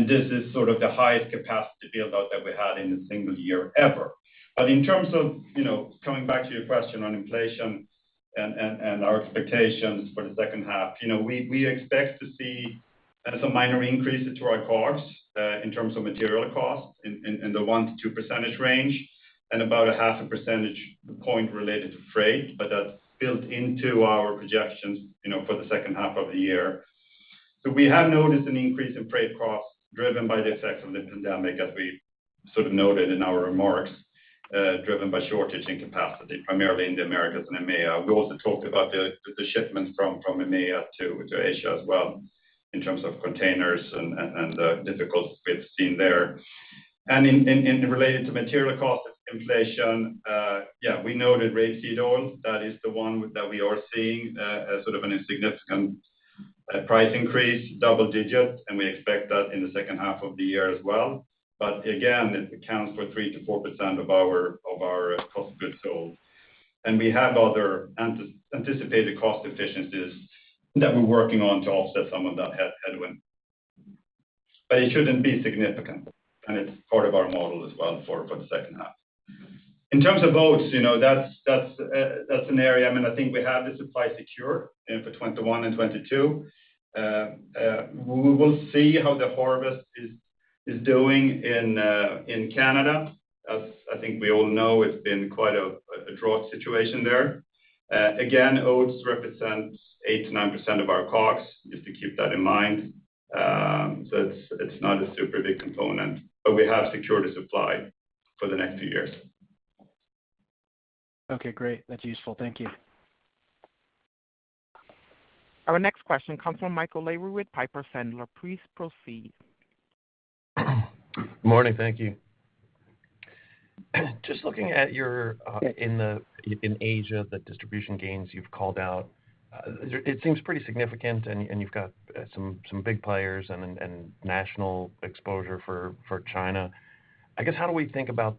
This is sort of the highest capacity build-out that we had in a single year ever. In terms of coming back to your question on inflation and our expectations for the second half, we expect to see some minor increases to our costs, in terms of material costs, in the 1%-2% range, and about a half a percentage point related to freight. That's built into our projections for the second half of the year. We have noticed an increase in freight costs driven by the effects of the pandemic, as we sort of noted in our remarks, driven by shortage in capacity, primarily in the Americas and EMEA. We also talked about the shipments from EMEA to Asia as well, in terms of containers and the difficulties we've seen there. Related to material cost inflation, we noted rapeseed oil. That is the one that we are seeing a sort of a significant price increase, double-digit, and we expect that in the second half of the year as well. Again, it accounts for 3%-4% of our cost of goods sold. We have other anticipated cost efficiencies that we're working on to offset some of that headwind. It shouldn't be significant, and it's part of our model as well for the second half. In terms of oats, that's an area, I think we have the supply secure for 2021 and 2022. We will see how the harvest is doing in Canada. As I think we all know, it's been quite a drought situation there. Again, oats represents 8% to 9% of our costs, just to keep that in mind. It's not a super big component, but we have secured a supply for the next two years. Okay, great. That's useful. Thank you. Our next question comes from Michael Lavery with Piper Sandler. Please proceed. Good morning. Thank you. Just looking at your in Asia, the distribution gains you've called out, it seems pretty significant and you've got some big players and national exposure for China. I guess how do we think about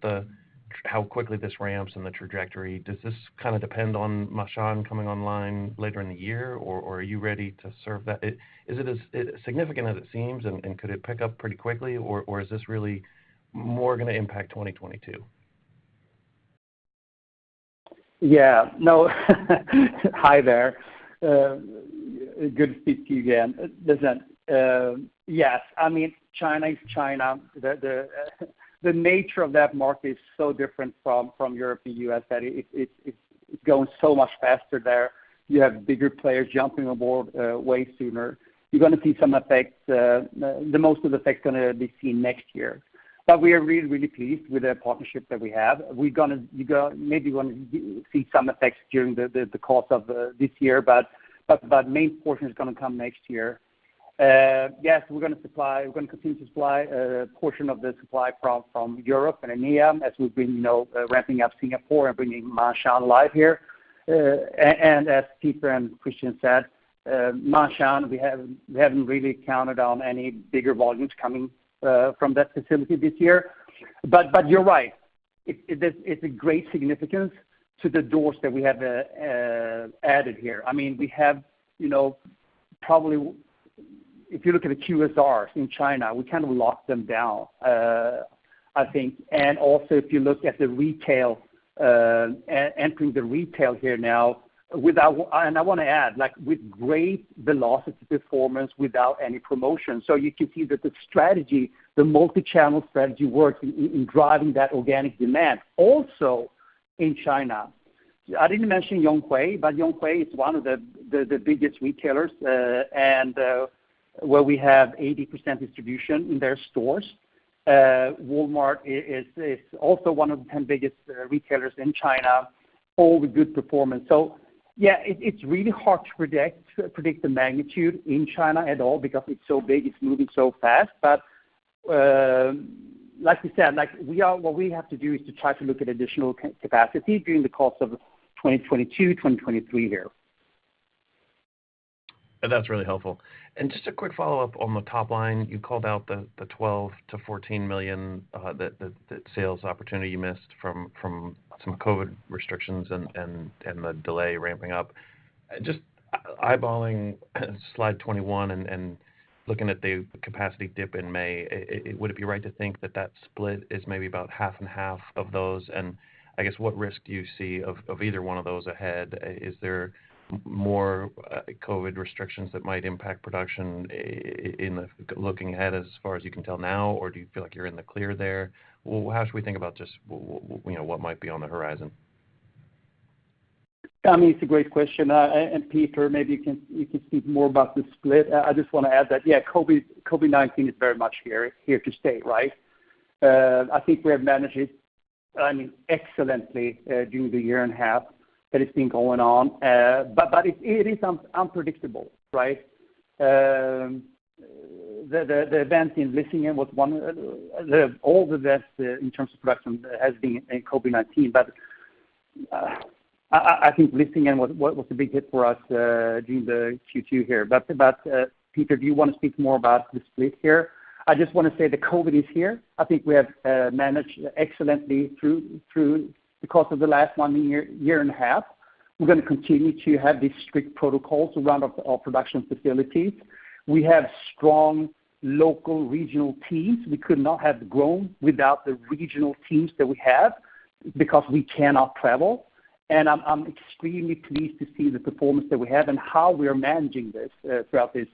how quickly this ramps and the trajectory? Does this kind of depend on Ma'anshan coming online later in the year, or are you ready to serve? Is it as significant as it seems, and could it pick up pretty quickly, or is this really more going to impact 2022? Yeah, no. Hi there. Good to speak to you again, Lavery. Yes, China is China. The nature of that market is so different from Europe and U.S. that it's going so much faster there. You have bigger players jumping aboard way sooner. You're going to see some effects. The most of the effects going to be seen next year. We are really, really pleased with the partnership that we have. You maybe going to see some effects during the course of this year, but main portion is going to come next year. Yes, we're going to continue to supply a portion of the supply from Europe and EMEA, as we've been ramping up Singapore and bringing Ma'anshan live here. As Peter and Christian said, Ma'anshan, we haven't really counted on any bigger volumes coming from that facility this year. You're right, it's a great significance to the doors that we have added here. We have probably, if you look at the QSRs in China, we kind of locked them down, I think. Also if you look at the retail, entering the retail here now, I want to add, with great velocity performance without any promotion. You can see that the strategy, the multi-channel strategy, works in driving that organic demand. Also in China, I didn't mention Yonghui, but Yonghui is one of the biggest retailers, and where we have 80% distribution in their stores. Walmart is also one of the 10 biggest retailers in China, all with good performance. Yeah, it's really hard to predict the magnitude in China at all because it's so big, it's moving so fast. Like we said, what we have to do is to try to look at additional capacity during the course of 2022, 2023 here. That's really helpful. Just a quick follow-up on the top line, you called out the 12 million-14 million, that sales opportunity you missed from some COVID restrictions and the delay ramping up. Just eyeballing slide 21 and looking at the capacity dip in May, would it be right to think that that split is maybe about half and half of those? I guess what risk do you see of either one of those ahead? Is there more COVID restrictions that might impact production in looking ahead as far as you can tell now? Do you feel like you're in the clear there? How should we think about just what might be on the horizon? It's a great question. Peter, maybe you can speak more about the split. I just want to add that COVID-19 is very much here to stay, right. I think we have managed it excellently during the year and a half that it's been going on. It is unpredictable, right. The event in Vlissingen was all the best in terms of production has been in COVID-19, but I think Vlissingen was a big hit for us during the Q2 here. Peter, do you want to speak more about the split here? I just want to say that COVID is here. I think we have managed excellently through the course of the last year and a half. We're going to continue to have these strict protocols around our production facilities. We have strong local regional teams. We could not have grown without the regional teams that we have because we cannot travel. I'm extremely pleased to see the performance that we have and how we are managing this throughout these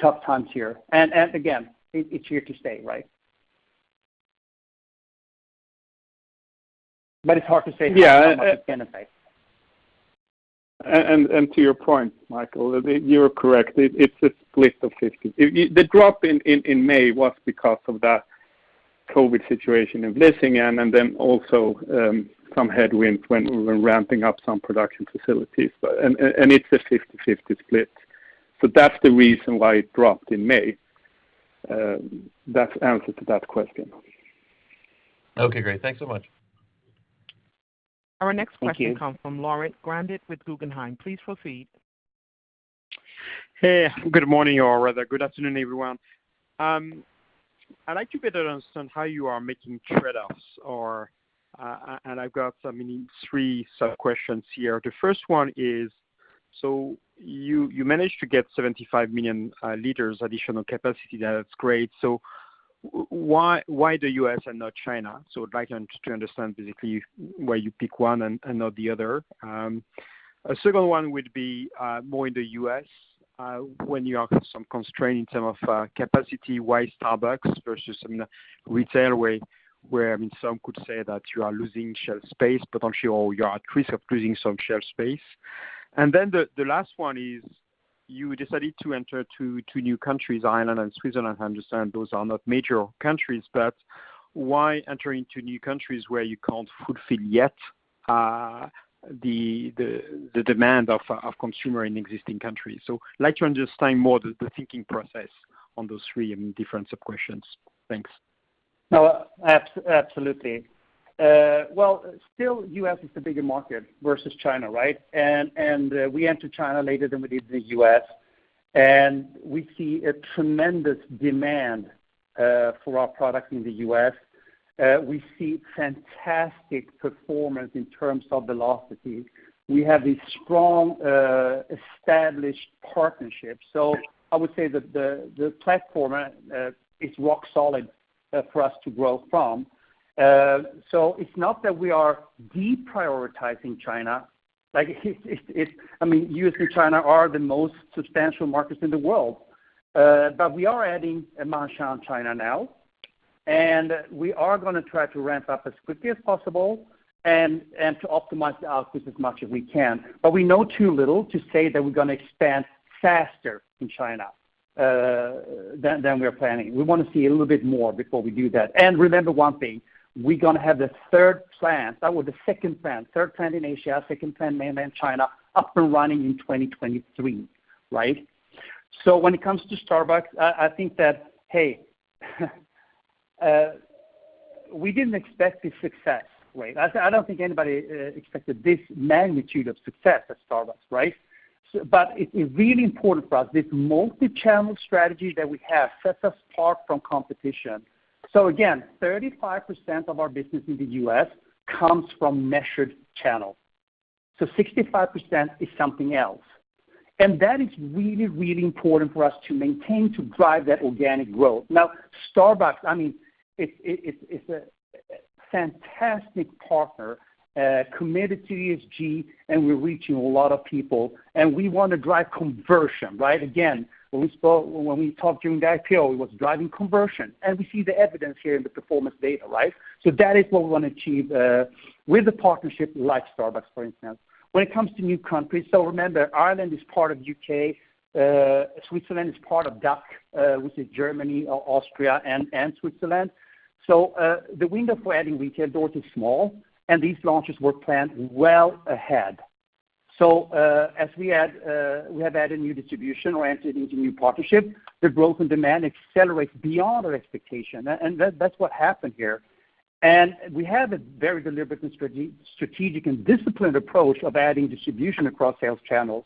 tough times here. Again, it's here to stay, right? It's hard to say how much it's going to stay. To your point, Michael, you're correct. It's a split of 50. The drop in May was because of that COVID situation in Vlissingen, and then also some headwinds when we were ramping up some production facilities. It's a 50/50 split. That's the reason why it dropped in May. That's the answer to that question. Okay, great. Thanks so much. Our next question comes from Laurent Grandet with Guggenheim. Please proceed. Hey, good morning, or rather, good afternoon, everyone. I'd like to better understand how you are making trade-offs. I've got three sub-questions here. The first one is, you managed to get 75 million L additional capacity. That's great. Why the U.S. and not China? I'd like to understand basically why you pick one and not the other. A second one would be more in the U.S. When you have some constraint in terms of capacity, why Starbucks versus some retail way where some could say that you are losing shelf space, potentially, or you are at risk of losing some shelf space? The last one is, you decided to enter two new countries, Ireland and Switzerland. I understand those are not major countries. Why enter into new countries where you can't fulfill yet the demand of consumer in existing countries? I'd like to understand more the thinking process on those three different sub-questions. Thanks. No, absolutely. Well, still U.S. is the bigger market versus China, right? We entered China later than we did the U.S., and we see a tremendous demand for our product in the U.S. We see fantastic performance in terms of velocity. We have these strong, established partnerships. I would say that the platform is rock solid for us to grow from. It's not that we are deprioritizing China. U.S. and China are the most substantial markets in the world. We are adding in Ma'anshan, China now, and we are going to try to ramp up as quickly as possible, and to optimize the output as much as we can. We know too little to say that we're going to expand faster in China than we're planning. We want to see a little bit more before we do that. Remember one thing, we're going to have the third plant, or the second plant, third plant in Asia, second plant mainland China, up and running in 2023, right? When it comes to Starbucks, I think that, hey, we didn't expect this success rate. I don't think anybody expected this magnitude of success at Starbucks, right? It's really important for us, this multi-channel strategy that we have sets us apart from competition. Again, 35% of our business in the U.S. comes from measured channels. 65% is something else. That is really, really important for us to maintain to drive that organic growth. Starbucks, it's a fantastic partner, committed to ESG, and we're reaching a lot of people, and we want to drive conversion, right? When we talked during the IPO, it was driving conversion. We see the evidence here in the performance data, right? That is what we want to achieve with a partnership like Starbucks, for instance. When it comes to new countries, remember, Ireland is part of U.K., Switzerland is part of DACH, which is Germany, Austria, and Switzerland. The window for adding retail doors is small, and these launches were planned well ahead. As we have added new distribution or entered into new partnership, the growth and demand accelerates beyond our expectation. That's what happened here. We have a very deliberate and strategic, and disciplined approach of adding distribution across sales channels.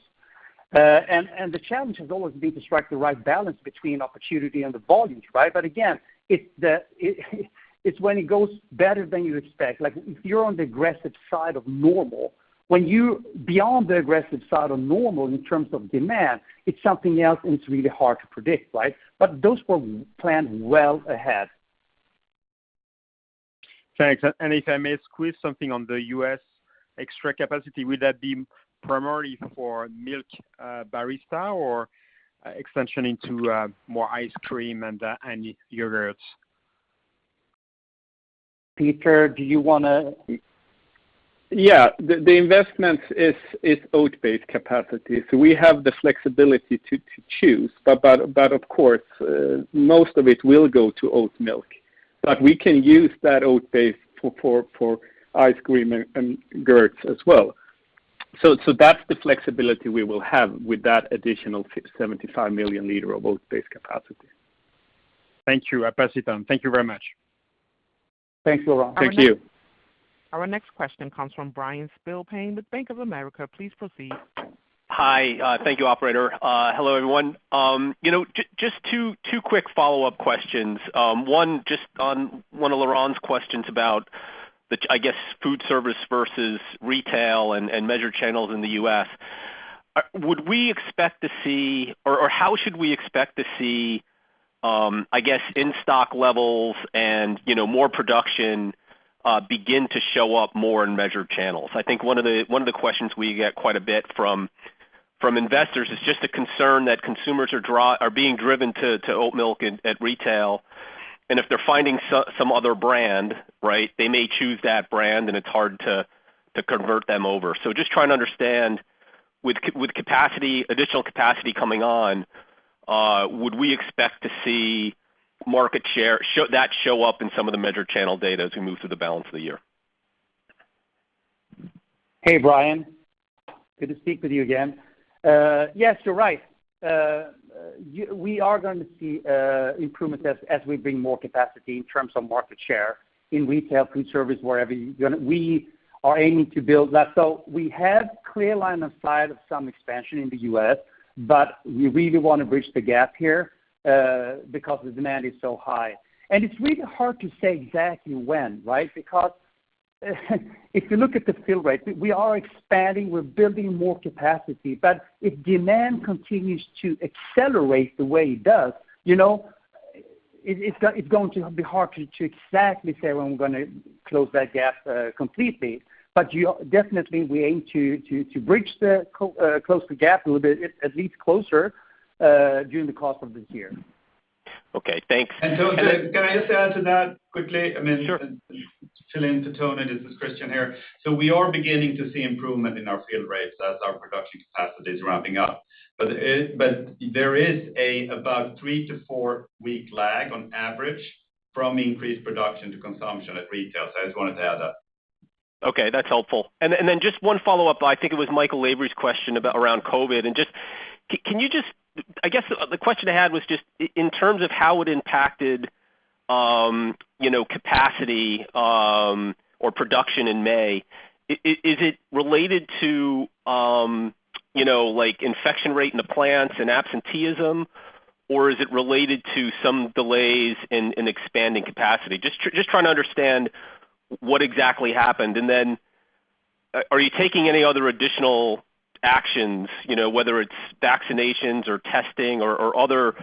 The challenge has always been to strike the right balance between opportunity and the volumes, right? Again, it's when it goes better than you expect. If you're on the aggressive side of normal, when you're beyond the aggressive side of normal in terms of demand, it's something else, and it's really hard to predict, right? Those were planned well ahead. Thanks. If I may squeeze something on the U.S. extra capacity, would that be primarily for milk barista or extension into more ice cream and yogurts? Peter, do you want to. Yeah. The investment is oat-based capacity. We have the flexibility to choose, but of course, most of it will go to oatmilk. We can use that oat base for ice cream and yogurts as well. That's the flexibility we will have with that additional 75 million L of oat-based capacity. Thank you. I pass it on. Thank you very much. Thanks, Laurent. Thank you. Our next question comes from Bryan Spillane with Bank of America. Please proceed. Hi. Thank you, operator. Hello, everyone. Just two quick follow-up questions. One, just on one of Laurent's questions about the, I guess, food service versus retail and measured channels in the U.S. Would we expect to see or how should we expect to see, I guess, in-stock levels and more production begin to show up more in measured channels? I think one of the questions we get quite a bit from investors is just a concern that consumers are being driven to oatmilk at retail, and if they're finding some other brand, they may choose that brand and it's hard to convert them over. Just trying to understand with additional capacity coming on, would we expect to see market share that show up in some of the measured channel data as we move through the balance of the year? Hey, Bryan. Good to speak with you again. Yes, you're right. We are going to see improvements as we bring more capacity in terms of market share in retail, food service, wherever. We are aiming to build that. We have clear line of sight of some expansion in the U.S., but we really want to bridge the gap here because the demand is so high. It's really hard to say exactly when, because if you look at therat field e, we are expanding, we're building more capacity, but if demand continues to accelerate the way it does, it's going to be hard to exactly say when we're going to close that gap completely. Definitely, we aim to close the gap a little bit, at least closer, during the course of this year. Okay, thanks. Toni, can I just add to that quickly? Sure. I mean, still into Toni, this is Christian here. We are beginning to see improvement in our fill rate as our production capacity is ramping up. There is about three to four week lag on average from increased production to consumption at retail. I just wanted to add that. Okay, that's helpful. Just one follow-up, I think it was Michael Lavery's question around COVID. The question I had was just in terms of how it impacted capacity or production in May, is it related to infection rate in the plants and absenteeism, or is it related to some delays in expanding capacity? Just trying to understand what exactly happened. Are you taking any other additional actions, whether it's vaccinations or testing or other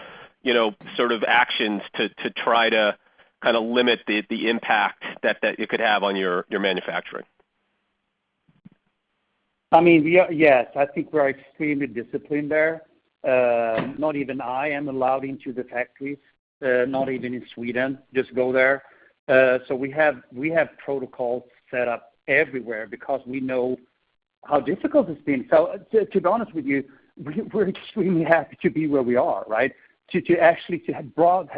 sort of actions to try to limit the impact that it could have on your manufacturing? I mean, yes. I think we're extremely disciplined there. Not even I am allowed into the factories, not even in Sweden, just go there. We have protocols set up everywhere because we know how difficult it's been. To be honest with you, we're extremely happy to be where we are. To actually have brought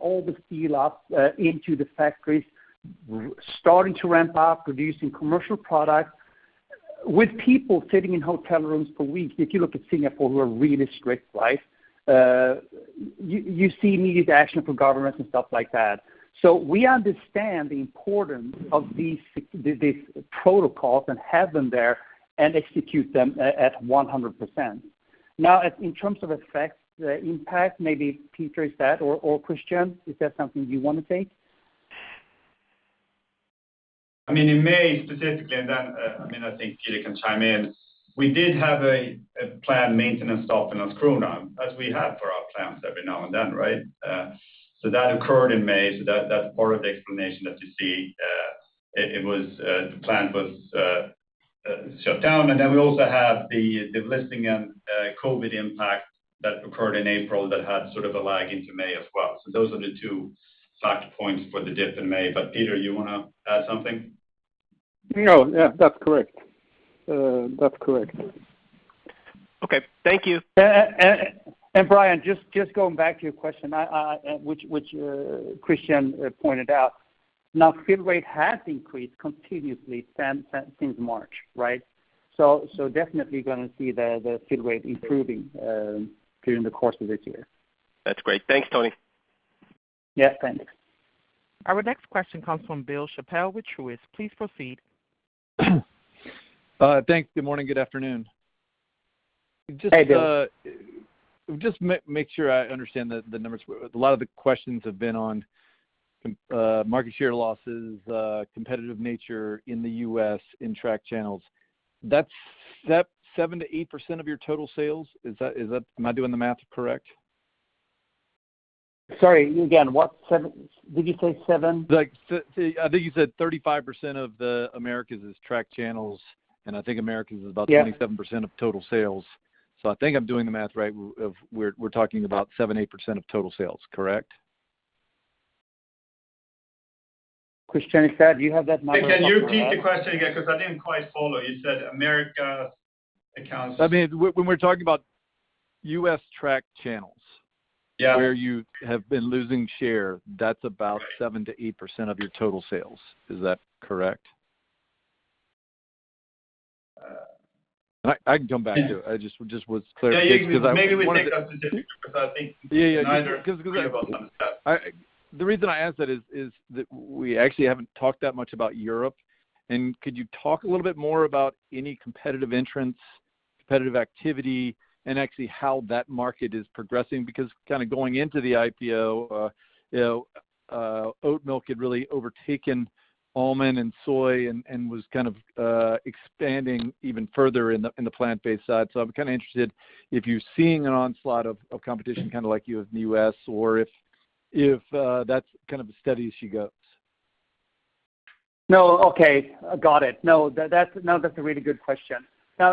all the steel up into the factories, starting to ramp up, producing commercial product with people sitting in hotel rooms for weeks. If you look at Singapore, who are really strict, you see immediate action from governments and stuff like that. We understand the importance of these protocols and have them there and execute them at 100%. Now, in terms of effects, the impact, maybe Peter, is that or Christian, is that something you want to take? In May specifically, I think Peter can chime in, we did have a planned maintenance stop in our Landskrona, as we have for our plants every now and then. That occurred in May, that's part of the explanation that you see. The plant was shut down, we also have the listing and COVID impact that occurred in April that had sort of a lag into May as well. Those are the two factor points for the dip in May. Peter, you want to add something? No, yeah, that's correct. Okay. Thank you. Bryan, just going back to your question, which Christian pointed out, now fill rate has increased continuously since March. Definitely going to see the fill rate improving during the course of this year. That's great. Thanks, Toni. Yeah, thanks. Our next question comes from Bill Chappell with Truist. Please proceed. Thanks. Good morning, good afternoon. Hey, Bill. Just make sure I understand the numbers. A lot of the questions have been on market share losses, competitive nature in the U.S., in track channels. That's 7%-8% of your total sales? Am I doing the math correct? Sorry, again, what? Did you say seven? I think you said 35% of the Americas is track channels, and I think Americas is. Yeah 27% of total sales. I think I'm doing the math right, we're talking about 7%, 8% of total sales, correct? Christian, do you have that microphone as well? Can you repeat the question again, because I didn't quite follow? You said America accounts. When we're talking about U.S. track channels. Yeah. where you have been losing share, that's about 7%-8% of your total sales. Is that correct? I can come back to it. Yeah. Maybe we take that statistic because I think neither of us care about them. The reason I ask that is that we actually haven't talked that much about Europe, and could you talk a little bit more about any competitive entrants, competitive activity, and actually how that market is progressing? Going into the IPO, oatmilk had really overtaken almond and soy and was expanding even further in the plant-based side. I'm kind of interested if you're seeing an onslaught of competition like you have in the U.S. or if that's kind of a steady as she goes. No. Okay, got it. That's a really good question.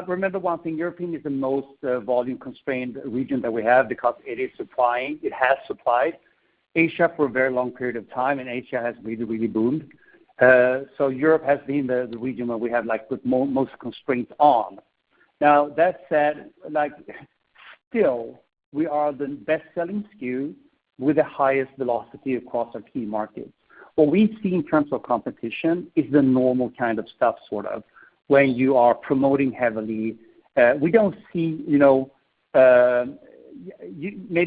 Remember one thing, European is the most volume-constrained region that we have because it is supplying, it has supplied Asia for a very long period of time, and Asia has really boomed. Europe has been the region where we have put the most constraints on. That said, still we are the best-selling SKU with the highest velocity across our key markets. What we see in terms of competition is the normal kind of stuff, sort of when you are promoting heavily. Maybe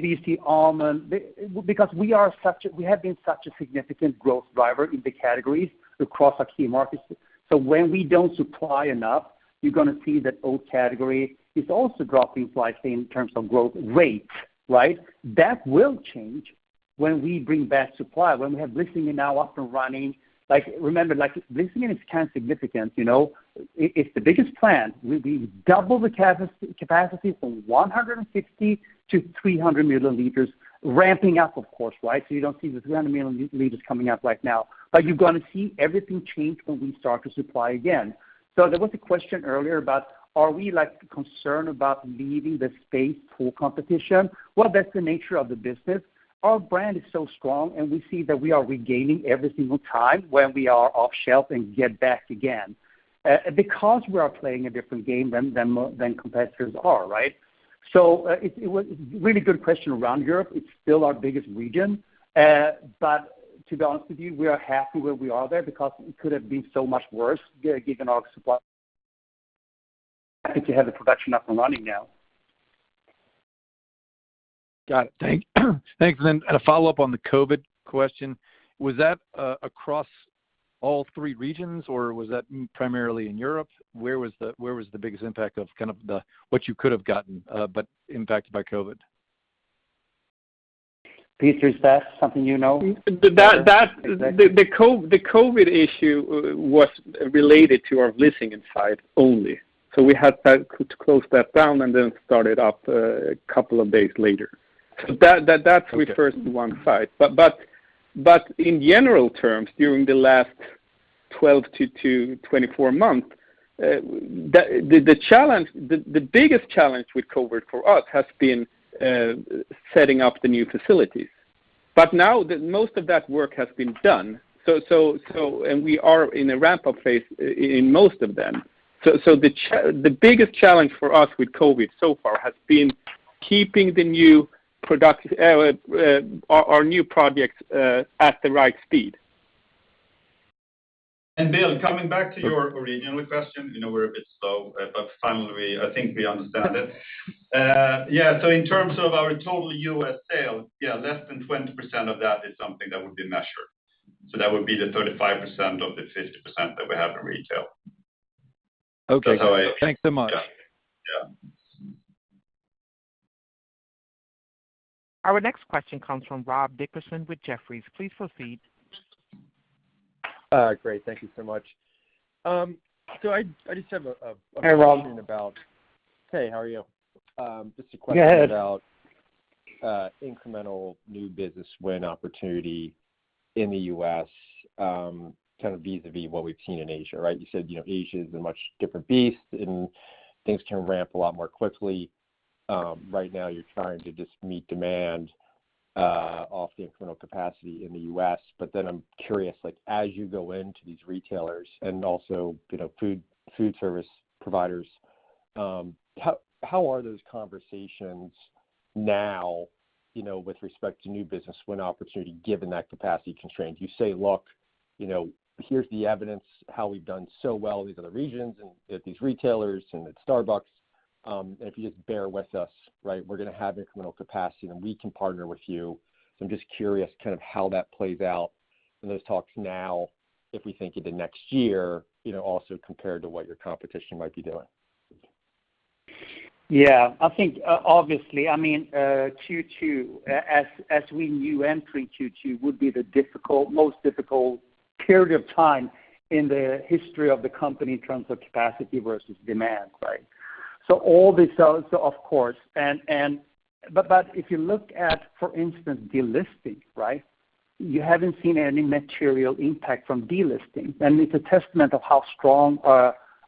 you see almond We have been such a significant growth driver in the categories across our key markets, when we don't supply enough, you're going to see that oat category is also dropping slightly in terms of growth rate. Right? That will change when we bring back supply, when we have Vlissingen now up and running. Remember, Vlissingen is kind of significant. It's the biggest plant. We doubled the capacity from 150 million L-300 million L, ramping up, of course. You don't see the 300 million L coming out right now, but you're going to see everything change when we start to supply again. There was a question earlier about are we concerned about leaving the space for competition? Well, that's the nature of the business. Our brand is so strong, and we see that we are regaining every single time when we are off shelf and get back again because we are playing a different game than competitors are, right? It was a really good question around Europe. It's still our biggest region. To be honest with you, we are happy where we are there because it could have been so much worse given our supply since we have the production up and running now. Got it. Thanks. Then a follow-up on the COVID question, was that across all three regions, or was that primarily in Europe? Where was the biggest impact of kind of what you could have gotten but impacted by COVID? Peter, is that something you know? The COVID issue was related to our Vlissingen site only. We had to close that down and then start it up a couple of days later. Okay. That refers to one site. In general terms, during the last 12 months-24 months, the biggest challenge with COVID for us has been setting up the new facilities. Now most of that work has been done, and we are in a ramp-up phase in most of them. The biggest challenge for us with COVID so far has been keeping our new projects at the right speed. Bill, coming back to your original question, we're a bit slow, but finally, I think we understand it. Yeah. In terms of our total U.S. sales, yeah, less than 20% of that is something that would be measured. That would be the 35% of the 50% that we have in retail. Okay. That's how I- Thanks so much. Yeah. Our next question comes from Rob Dickerson with Jefferies. Please proceed. Great. Thank you so much. I just have a question about. Hey, Rob. Hey, how are you? Just a question. Go ahead. about incremental new business win opportunity in the U.S., kind of vis-a-vis what we've seen in Asia, right? You said Asia is a much different beast, and things can ramp a lot more quickly. Right now you're trying to just meet demand off the incremental capacity in the U.S. I'm curious, as you go into these retailers and also food service providers, how are those conversations now with respect to new business win opportunity given that capacity c`onstraint? Do you say, "Look, here's the evidence how we've done so well in these other regions and at these retailers and at Starbucks, and if you just bear with us, we're going to have incremental capacity, and we can partner with you." I'm just curious kind of how that plays out in those talks now, if we think of the next year, also compared to what your competition might be doing. Yeah, I think obviously, Q2, as we knew, pre-Q2 would be the most difficult period of time in the history of the company in terms of capacity versus demand, right? All this, of course. If you look at, for instance, delisting, you haven't seen any material impact from delisting, and it's a testament of how strong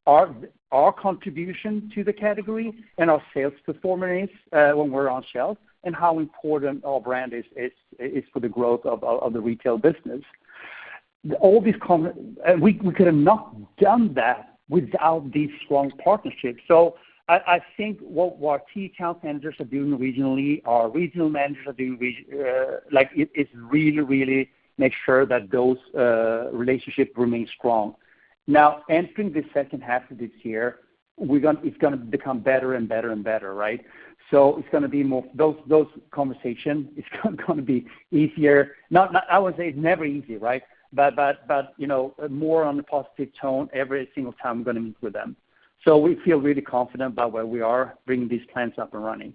our contribution to the category and our sales performance is when we're on shelf and how important our brand is for the growth of the retail business. All these comments, we could have not done that without these strong partnerships. I think what our key account managers are doing regionally, our regional managers are doing, it's really make sure that those relationships remain strong. Now, entering the second half of this year, it's going to become better, right? Those conversations, it's going to be easier. I would say it's never easy, right? More on the positive tone every single time I'm going to meet with them. We feel really confident about where we are bringing these plants up and running.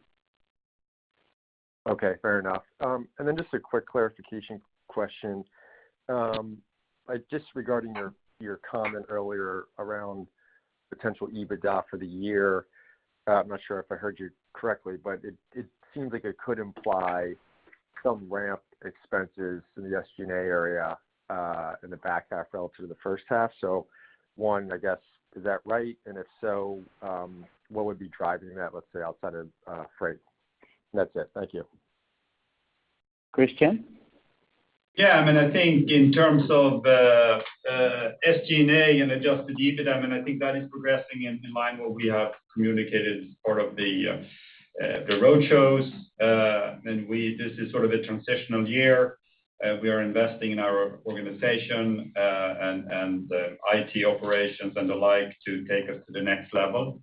Okay, fair enough. Just a quick clarification question. Just regarding your comment earlier around potential EBITDA for the year. I'm not sure if I heard you correctly, but it seems like it could imply some ramp expenses in the SG&A area in the back half relative to the first half. One, I guess, is that right? If so, what would be driving that, let's say, outside of freight? That's it. Thank you. Christian? Yeah, I think in terms of SG&A and adjusted EBITDA, I think that is progressing in line what we have communicated as part of the road shows. This is sort of a transitional year. We are investing in our organization and the IT operations and the like to take us to the next level.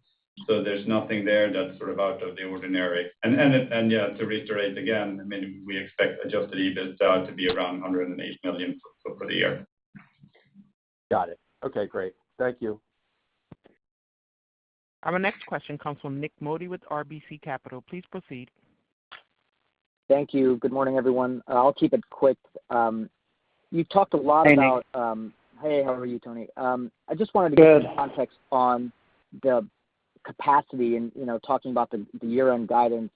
There's nothing there that's sort of out of the ordinary. Yeah, to reiterate again, we expect adjusted EBITDA to be around 108 million for the year. Got it. Okay, great. Thank you. Our next question comes from Nik Modi with RBC Capital. Please proceed. Thank you. Good morning, everyone. I'll keep it quick. Hey, Nik. Hey, how are you, Toni? Good. I just wanted to get some context on the capacity and talking about the year-end guidance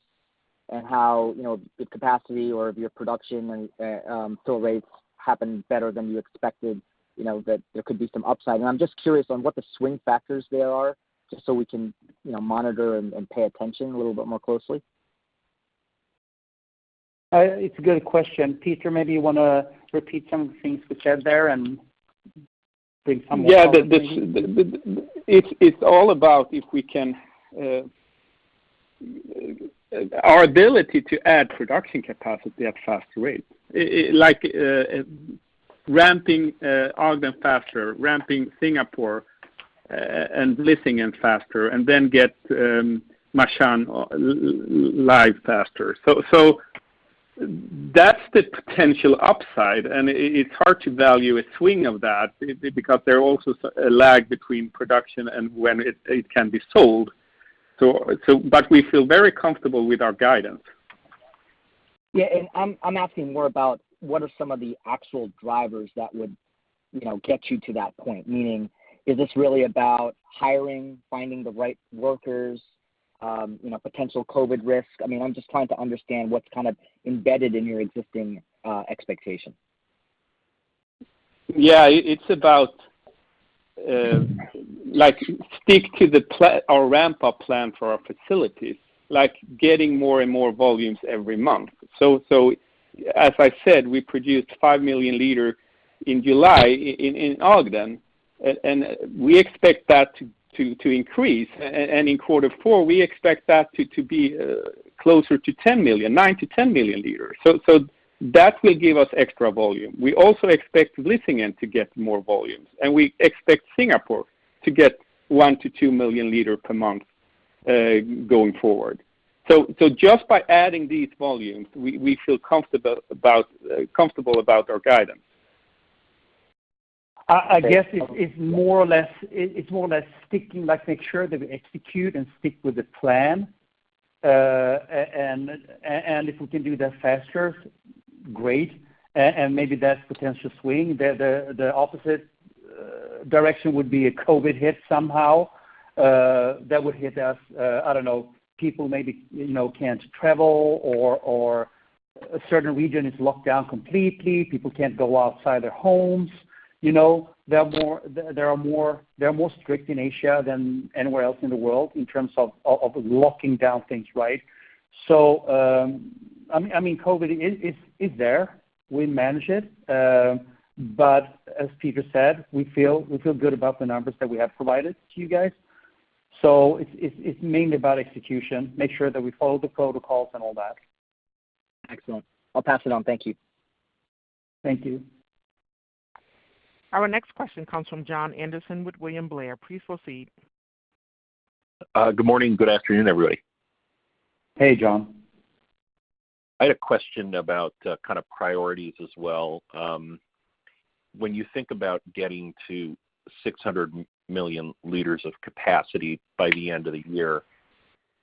and how the capacity or your production and fill rates happened better than you expected, that there could be some upside. I'm just curious on what the swing factors there are just so we can monitor and pay attention a little bit more closely. It's a good question. Peter, maybe you want to repeat some of the things we said there and bring some more. Yeah. It's all about our ability to add production capacity at faster rates, like ramping Ogden faster, ramping Singapore and Vlissingen faster, and then get Ma'anshan live faster. That's the potential upside, and it's hard to value a swing of that because there are also a lag between production and when it can be sold. We feel very comfortable with our guidance. Yeah, I'm asking more about what are some of the actual drivers that would get you to that point? Meaning, is this really about hiring, finding the right workers, potential COVID risk? I'm just trying to understand what's kind of embedded in your existing expectation. It's about stick to our ramp-up plan for our facilities, like getting more and more volumes every month. As I said, we produced 5 million L in July in Ogden, and we expect that to increase. In quarter four, we expect that to be closer to 10 million L, 9 million L-10 million L. That will give us extra volume. We also expect Vlissingen to get more volumes, and we expect Singapore to get 1 million L-2 million L per month going forward. Just by adding these volumes, we feel comfortable about our guidance. I guess it's more or less sticking, like make sure that we execute and stick with the plan. If we can do that faster, great, and maybe that's potential swing. The opposite direction would be a COVID hit somehow that would hit us. I don't know. People maybe can't travel or a certain region is locked down completely. People can't go outside their homes. They're more strict in Asia than anywhere else in the world in terms of locking down things, right? COVID is there. We manage it. As Peter said, we feel good about the numbers that we have provided to you guys. It's mainly about execution, make sure that we follow the protocols and all that. Excellent. I'll pass it on. Thank you. Thank you. Our next question comes from Jon Andersen with William Blair. Please proceed. Good morning. Good afternoon, everybody. Hey, Jon. I had a question about kind of priorities as well. When you think about getting to 600 million L of capacity by the end of the year,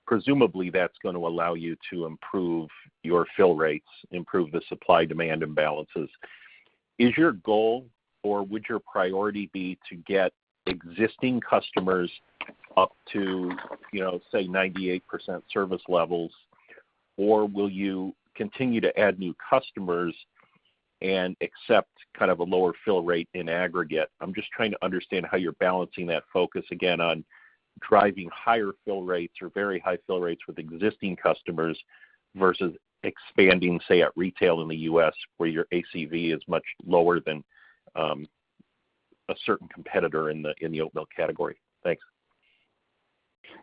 presumably that's going to allow you to improve your fill rates, improve the supply-demand imbalances. Is your goal or would your priority be to get existing customers up to say 98% service levels? Or will you continue to add new customers and accept kind of a lower fill rate in aggregate? I'm just trying to understand how you're balancing that focus again on driving higher fill rates or very high fill rates with existing customers versus expanding, say, at retail in the U.S. where your ACV is much lower than a certain competitor in the oatmilk category. Thanks.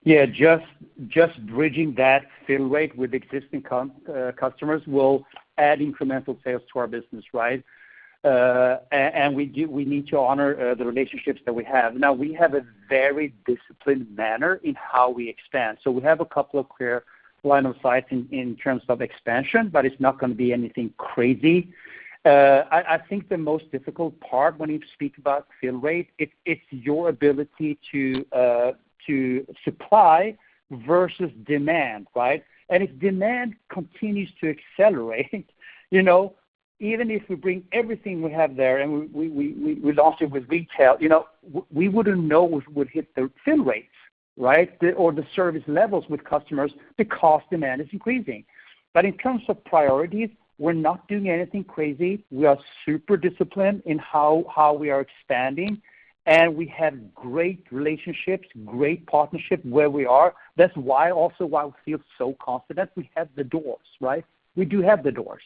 Yeah. Just bridging that fill rate with existing customers will add incremental sales to our business, right? We need to honor the relationships that we have. Now, we have a very disciplined manner in how we expand. We have a couple of clear line of sights in terms of expansion, but it's not going to be anything crazy. I think the most difficult part when you speak about fill rate, it's your ability to supply versus demand, right? If demand continues to accelerate, even if we bring everything we have there, and we launch it with retail, we wouldn't know what would hit the fill rates, right? Or the service levels with customers because demand is increasing. In terms of priorities, we're not doing anything crazy. We are super disciplined in how we are expanding, and we have great relationships, great partnership where we are. That's also why we feel so confident. We have the doors, right? We do have the doors.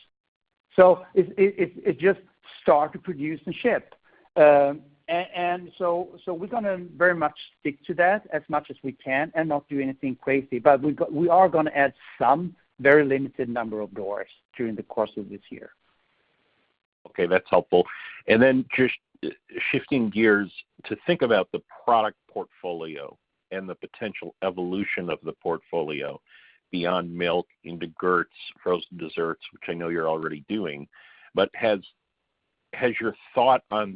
It just start to produce and ship. We're going to very much stick to that as much as we can and not do anything crazy. We are going to add some very limited number of doors during the course of this year. Okay, that's helpful. Just shifting gears to think about the product portfolio and the potential evolution of the portfolio beyond milk into gurt, frozen desserts, which I know you are already doing. Has your thought on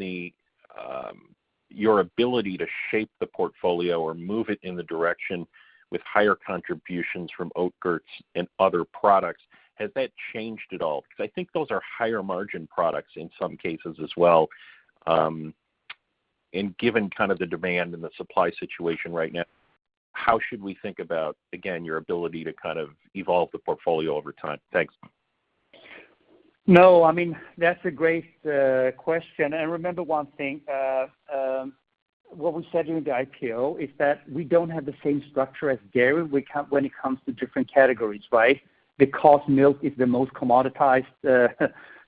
your ability to shape the portfolio or move it in the direction with higher contributions from Oatgurts and other products, has that changed at all? I think those are higher margin products in some cases as well. Given kind of the demand and the supply situation right now, how should we think about, again, your ability to kind of evolve the portfolio over time? Thanks. No, I mean, that's a great question. Remember one thing, what we said during the IPO is that we don't have the same structure as dairy when it comes to different categories, right? Milk is the most commoditized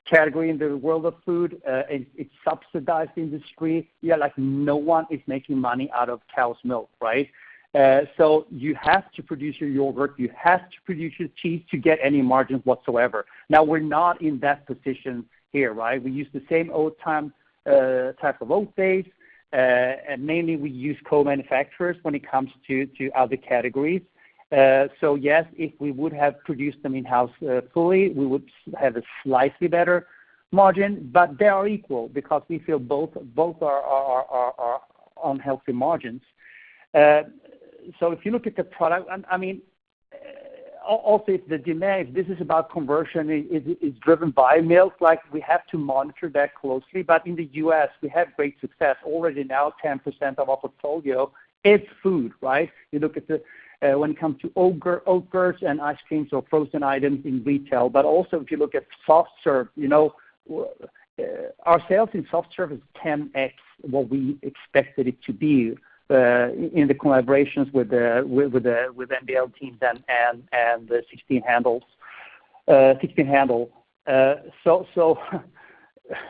category in the world of food, it's subsidized industry. Like no one is making money out of cow's milk, right? You have to produce your yogurt, you have to produce your cheese to get any margins whatsoever. Now, we're not in that position here, right? We use the same old type of oat base, mainly we use co-manufacturers when it comes to other categories. Yes, if we would have produced them in-house fully, we would have a slightly better margin, they are equal because we feel both are on healthy margins. If you look at the product, and also if the demand, if this is about conversion, it's driven by milk, like we have to monitor that closely. In the U.S., we have great success. Already now 10% of our portfolio is food, right? When it comes to Oatgurts and ice creams or frozen items in retail. Also if you look at soft serve, our sales in soft serve is 10x what we expected it to be, in the collaborations with MLB teams and the 16 Handles.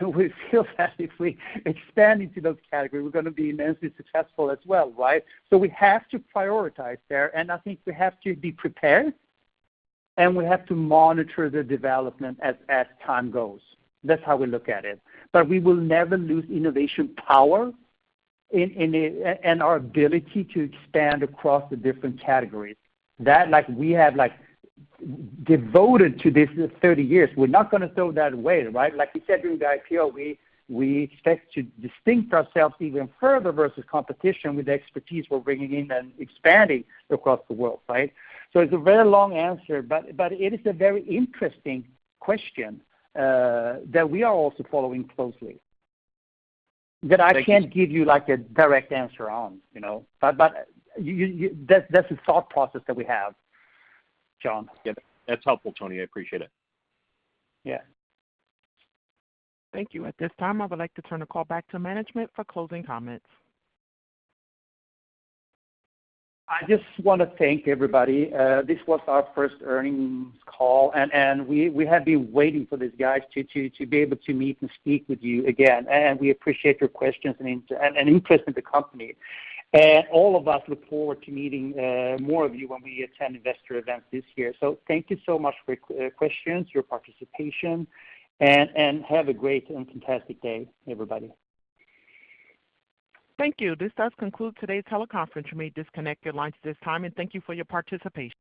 We feel that if we expand into those categories, we're going to be immensely successful as well, right? We have to prioritize there, and I think we have to be prepared, and we have to monitor the development as time goes. That's how we look at it. We will never lose innovation power and our ability to expand across the different categories. That we have devoted to this 30 years. We're not going to throw that away, right? Like we said during the IPO, we expect to distinguish ourselves even further versus competition with the expertise we're bringing in and expanding across the world, right? It's a very long answer, but it is a very interesting question that we are also following closely, that I can't give you a direct answer on. That's the thought process that we have, Jon. Yep. That's helpful, Toni. I appreciate it. Yeah. Thank you. At this time, I would like to turn the call back to management for closing comments. I just want to thank everybody. This was our first earnings call. We have been waiting for this, guys, to be able to meet and speak with you again. We appreciate your questions and interest in the company. All of us look forward to meeting more of you when we attend investor events this year. Thank you so much for your questions, your participation, and have a great and fantastic day, everybody. Thank you. This does conclude today's teleconference. You may disconnect your lines at this time, and thank you for your participation.